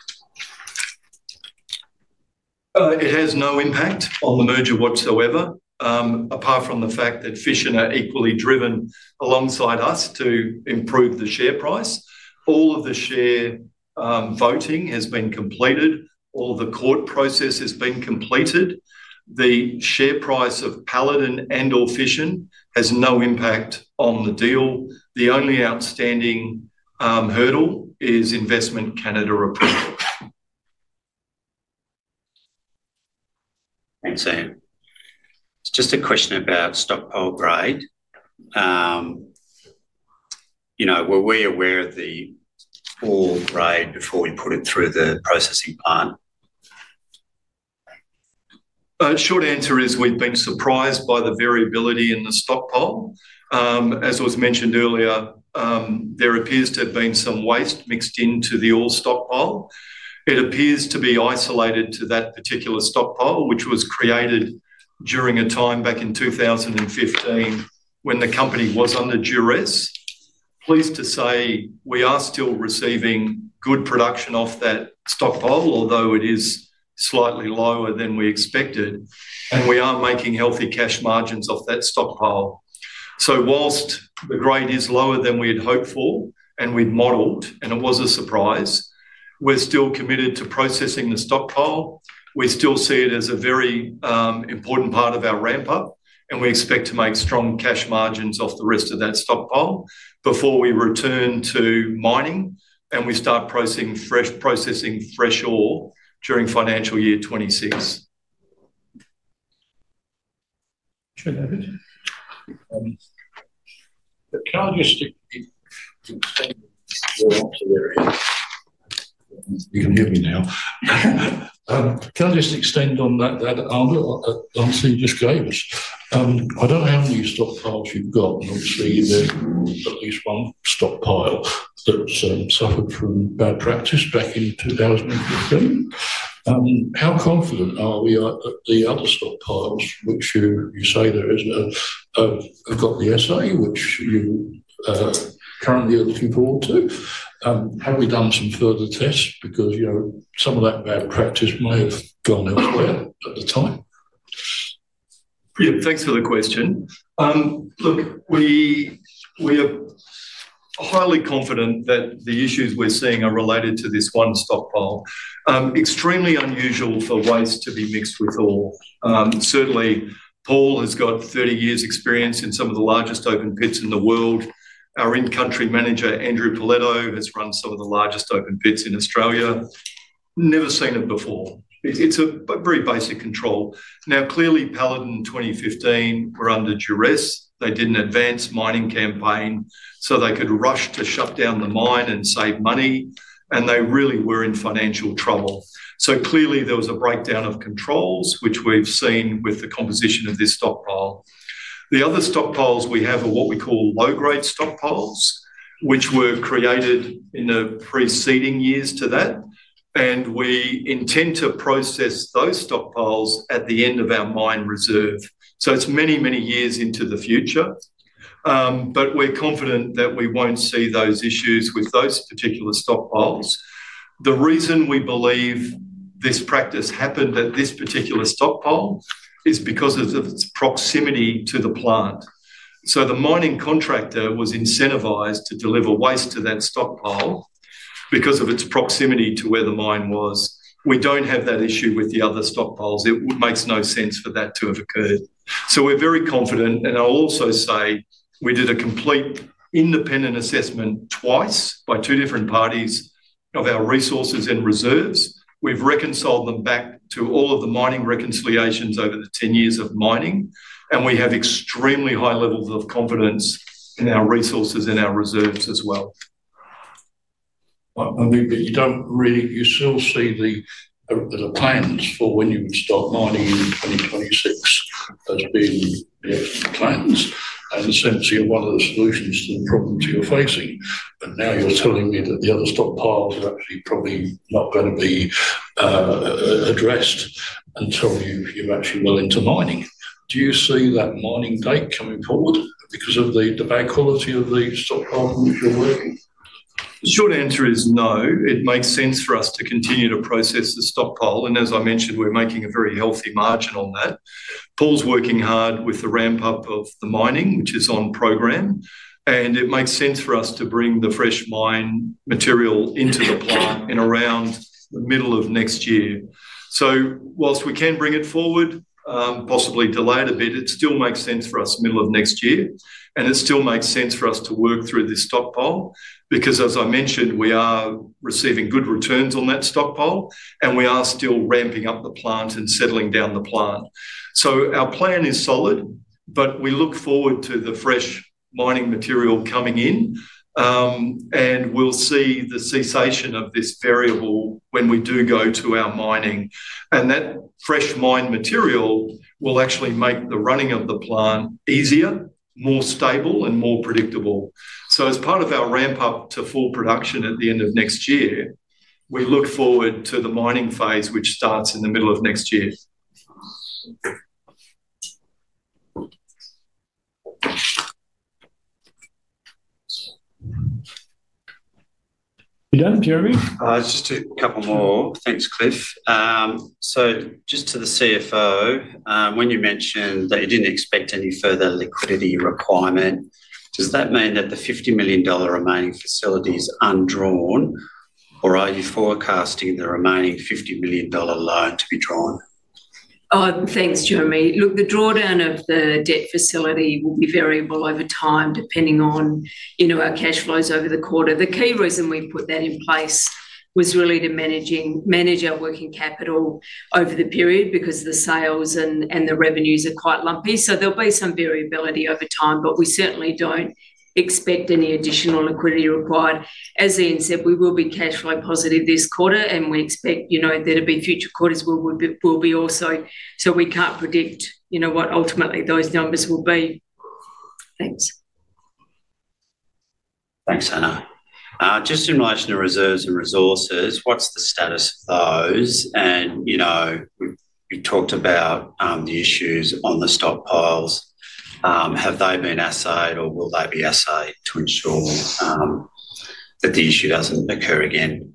It has no impact on the merger whatsoever, apart from the fact that Fission are equally driven alongside us to improve the share price. All of the share voting has been completed. All the court process has been completed. The share price of Paladin and/or Fission has no impact on the deal. The only outstanding hurdle is Investment Canada approval. Thanks, Ian. Just a question about stockpile grade. Were we aware of the poor grade before we put it through the processing plant? Short answer is we've been surprised by the variability in the stockpile. As was mentioned earlier, there appears to have been some waste mixed into the old stockpile. It appears to be isolated to that particular stockpile, which was created during a time back in 2015 when the company was under duress. Pleased to say we are still receiving good production off that stockpile, although it is slightly lower than we expected, and we are making healthy cash margins off that stockpile. So whilst the grade is lower than we had hoped for and we'd modeled, and it was a surprise, we're still committed to processing the stockpile. We still see it as a very important part of our ramp-up, and we expect to make strong cash margins off the rest of that stockpile before we return to mining and we start processing fresh ore during financial year 26. Can I just extend on that answer there? Ian? You can hear me now. Can I just extend on that answer you just gave us? I don't know how many stockpiles you've got. I'm seeing there's at least one stockpile that suffered from bad practice back in 2015. How confident are we that the other stockpiles, which you say there isn't, have got the assay, which you currently are looking forward to? Have we done some further tests? Because some of that bad practice may have gone elsewhere at the time. Yeah, thanks for the question. Look, we are highly confident that the issues we're seeing are related to this one stockpile. Extremely unusual for waste to be mixed with ore. Certainly, Paul has got 30 years' experience in some of the largest open pits in the world. Our in-country manager, Andrew Pullella, has run some of the largest open pits in Australia. Never seen it before. It's a very basic control. Now, clearly, Paladin in 2015 were under duress. They didn't advance mining campaign so they could rush to shut down the mine and save money, and they really were in financial trouble. So clearly, there was a breakdown of controls, which we've seen with the composition of this stockpile. The other stockpiles we have are what we call low-grade stockpiles, which were created in the preceding years to that. We intend to process those stockpiles at the end of our mine reserve. It's many, many years into the future, but we're confident that we won't see those issues with those particular stockpiles. The reason we believe this practice happened at this particular stockpile is because of its proximity to the plant. The mining contractor was incentivized to deliver waste to that stockpile because of its proximity to where the mine was. We don't have that issue with the other stockpiles. It makes no sense for that to have occurred. We're very confident, and I'll also say we did a complete independent assessment twice by two different parties of our resources and reserves. We've reconciled them back to all of the mining reconciliations over the 10 years of mining, and we have extremely high levels of confidence in our resources and our reserves as well. I think that you don't really still see the plans for when you would start mining in 2026 as being the actual plans and essentially one of the solutions to the problems you're facing. But now you're telling me that the other stockpiles are actually probably not going to be addressed until you're actually willing to mine. Do you see that mining date coming forward because of the bad quality of the stockpile which you're working? The short answer is no. It makes sense for us to continue to process the stockpile. And as I mentioned, we're making a very healthy margin on that. Paul's working hard with the ramp-up of the mining, which is on program. And it makes sense for us to bring the fresh mine material into the plant in around the middle of next year. So while we can bring it forward, possibly delay it a bit, it still makes sense for us middle of next year. And it still makes sense for us to work through this stockpile because, as I mentioned, we are receiving good returns on that stockpile, and we are still ramping up the plant and settling down the plant. So our plan is solid, but we look forward to the fresh mining material coming in, and we'll see the cessation of this variable when we do go to our mining. And that fresh mine material will actually make the running of the plant easier, more stable, and more predictable. So as part of our ramp-up to full production at the end of next year, we look forward to the mining phase, which starts in the middle of next year. You don't, Jeremy? Just a couple more. Thanks, Cliff. So just to the CFO, when you mentioned that you didn't expect any further liquidity requirement, does that mean that the $50 million remaining facility is undrawn, or are you forecasting the remaining $50 million loan to be drawn? Thanks, Jeremy. Look, the drawdown of the debt facility will be variable over time depending on our cash flows over the quarter. The key reason we put that in place was really to manage our working capital over the period because the sales and the revenues are quite lumpy. So there'll be some variability over time, but we certainly don't expect any additional liquidity required. As Ian said, we will be cash flow positive this quarter, and we expect there to be future quarters where we'll be also. So we can't predict what ultimately those numbers will be. Thanks. Thanks, Anna. Just in relation to reserves and resources, what's the status of those? And we talked about the issues on the stockpiles. Have they been assayed, or will they be assayed to ensure that the issue doesn't occur again?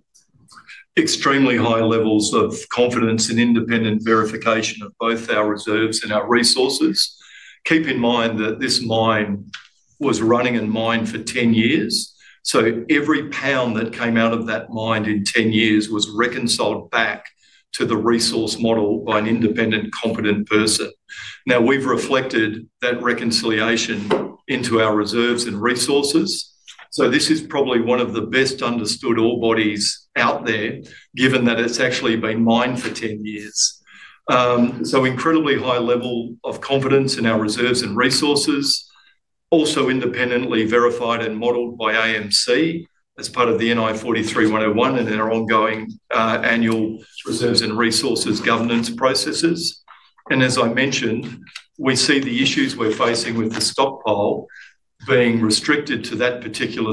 Extremely high levels of confidence and independent verification of both our reserves and our resources. Keep in mind that this mine was running and mined for 10 years. So every pound that came out of that mine in 10 years was reconciled back to the resource model by an independent, competent person. Now, we've reflected that reconciliation into our reserves and resources. So this is probably one of the best-understood ore bodies out there, given that it's actually been mined for 10 years. So incredibly high level of confidence in our reserves and resources, also independently verified and modeled by AMC as part of the NI 43-101 and our ongoing annual reserves and resources governance processes, and as I mentioned, we see the issues we're facing with the stockpile being restricted to that particular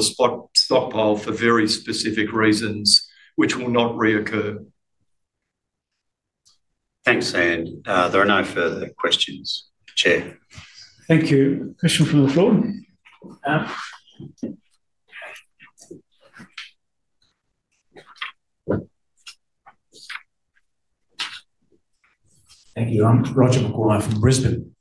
stockpile for very specific reasons, which will not reoccur. Thanks, Ian. There are no further questions. Chair. Thank you. Question from the floor? Thank you. I'm Roger McGuire from Brisbane.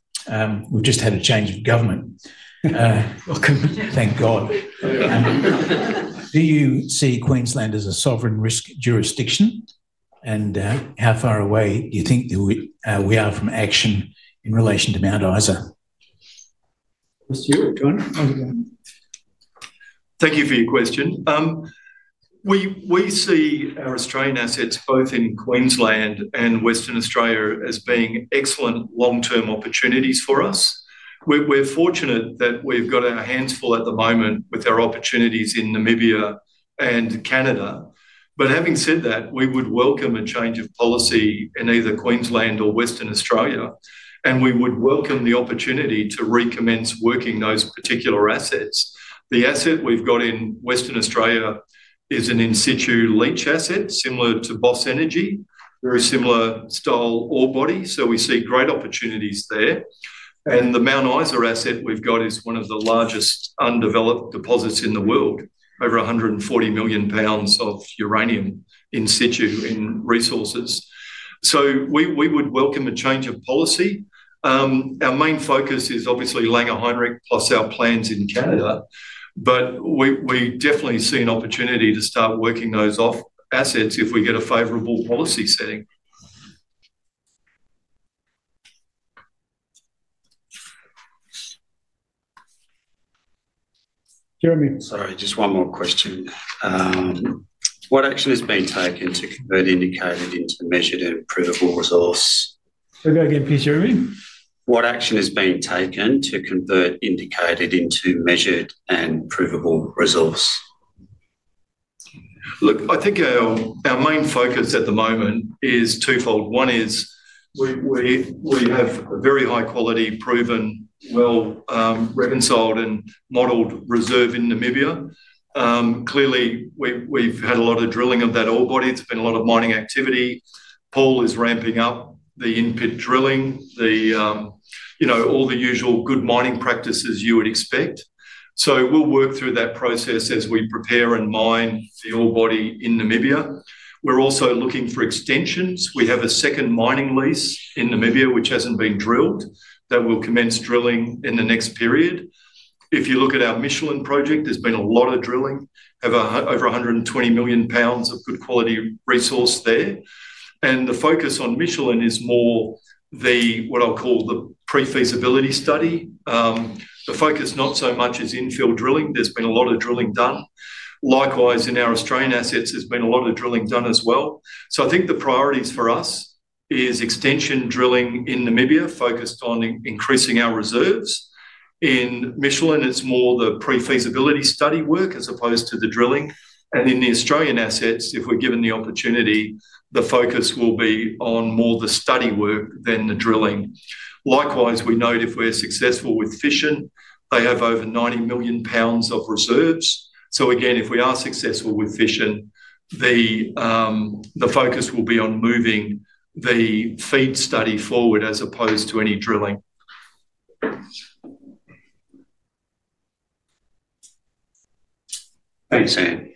We've just had a change of government. Thank God. Do you see Queensland as a sovereign risk jurisdiction? And how far away do you think we are from action in relation to Mount Isa? Mr. Hewitt, join us. Thank you for your question. We see our Australian assets, both in Queensland and Western Australia, as being excellent long-term opportunities for us. We're fortunate that we've got our hands full at the moment with our opportunities in Namibia and Canada. But having said that, we would welcome a change of policy in either Queensland or Western Australia, and we would welcome the opportunity to recommence working those particular assets. The asset we've got in Western Australia is an in-situ leach asset, similar to Boss Energy, very similar style ore body. So we see great opportunities there. And the Mount Isa asset we've got is one of the largest undeveloped deposits in the world, over 140 million pounds of uranium in-situ in resources. So we would welcome a change of policy. Our main focus is obviously Langer Heinrich plus our plans in Canada, but we definitely see an opportunity to start working those other assets if we get a favorable policy setting. Jeremy. Sorry, just one more question. What action is being taken to convert indicated into measured and proven resource? Say that again, please, Jeremy. What action is being taken to convert indicated into measured and probable resource? Look, I think our main focus at the moment is twofold. One is we have a very high-quality, proven, well-reconciled, and modeled reserve in Namibia. Clearly, we've had a lot of drilling of that ore body. There's been a lot of mining activity. Paul is ramping up the in-pit drilling, all the usual good mining practices you would expect. So we'll work through that process as we prepare and mine the ore body in Namibia. We're also looking for extensions. We have a second mining lease in Namibia, which hasn't been drilled, that we'll commence drilling in the next period. If you look at our Michelin project, there's been a lot of drilling, over $120 million of good quality resource there, and the focus on Michelin is more the, what I'll call, the pre-feasibility study. The focus not so much is infill drilling. There's been a lot of drilling done. Likewise, in our Australian assets, there's been a lot of drilling done as well. So I think the priorities for us are extension drilling in Namibia, focused on increasing our reserves. In Michelin, it's more the pre-feasibility study work as opposed to the drilling. And in the Australian assets, if we're given the opportunity, the focus will be on more the study work than the drilling. Likewise, we note if we're successful with Fission, they have over 90 million pounds of reserves. So again, if we are successful with Fission, the focus will be on moving the FEED study forward as opposed to any drilling. Thanks, Ian.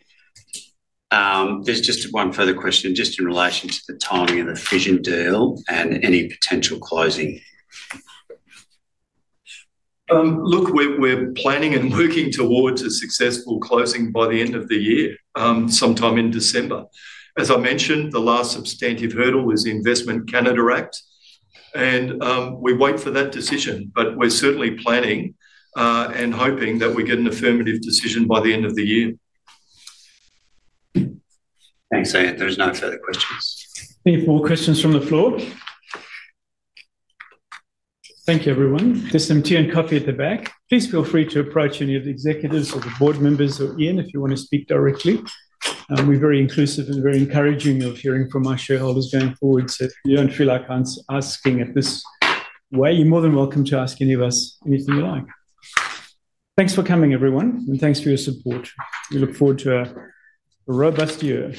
There's just one further question, just in relation to the timing of the Fission deal and any potential closing. Look, we're planning and working towards a successful closing by the end of the year, sometime in December. As I mentioned, the last substantive hurdle is the Investment Canada Act, and we wait for that decision, but we're certainly planning and hoping that we get an affirmative decision by the end of the year. Thanks, Ian. There's no further questions. Any more questions from the floor? Thank you, everyone. There's some tea and coffee at the back. Please feel free to approach any of the executives or the board members or Ian if you want to speak directly. We're very inclusive and very encouraging of hearing from our shareholders going forward, so if you don't feel like asking at this way, you're more than welcome to ask any of us anything you like. Thanks for coming, everyone, and thanks for your support. We look forward to a robust year.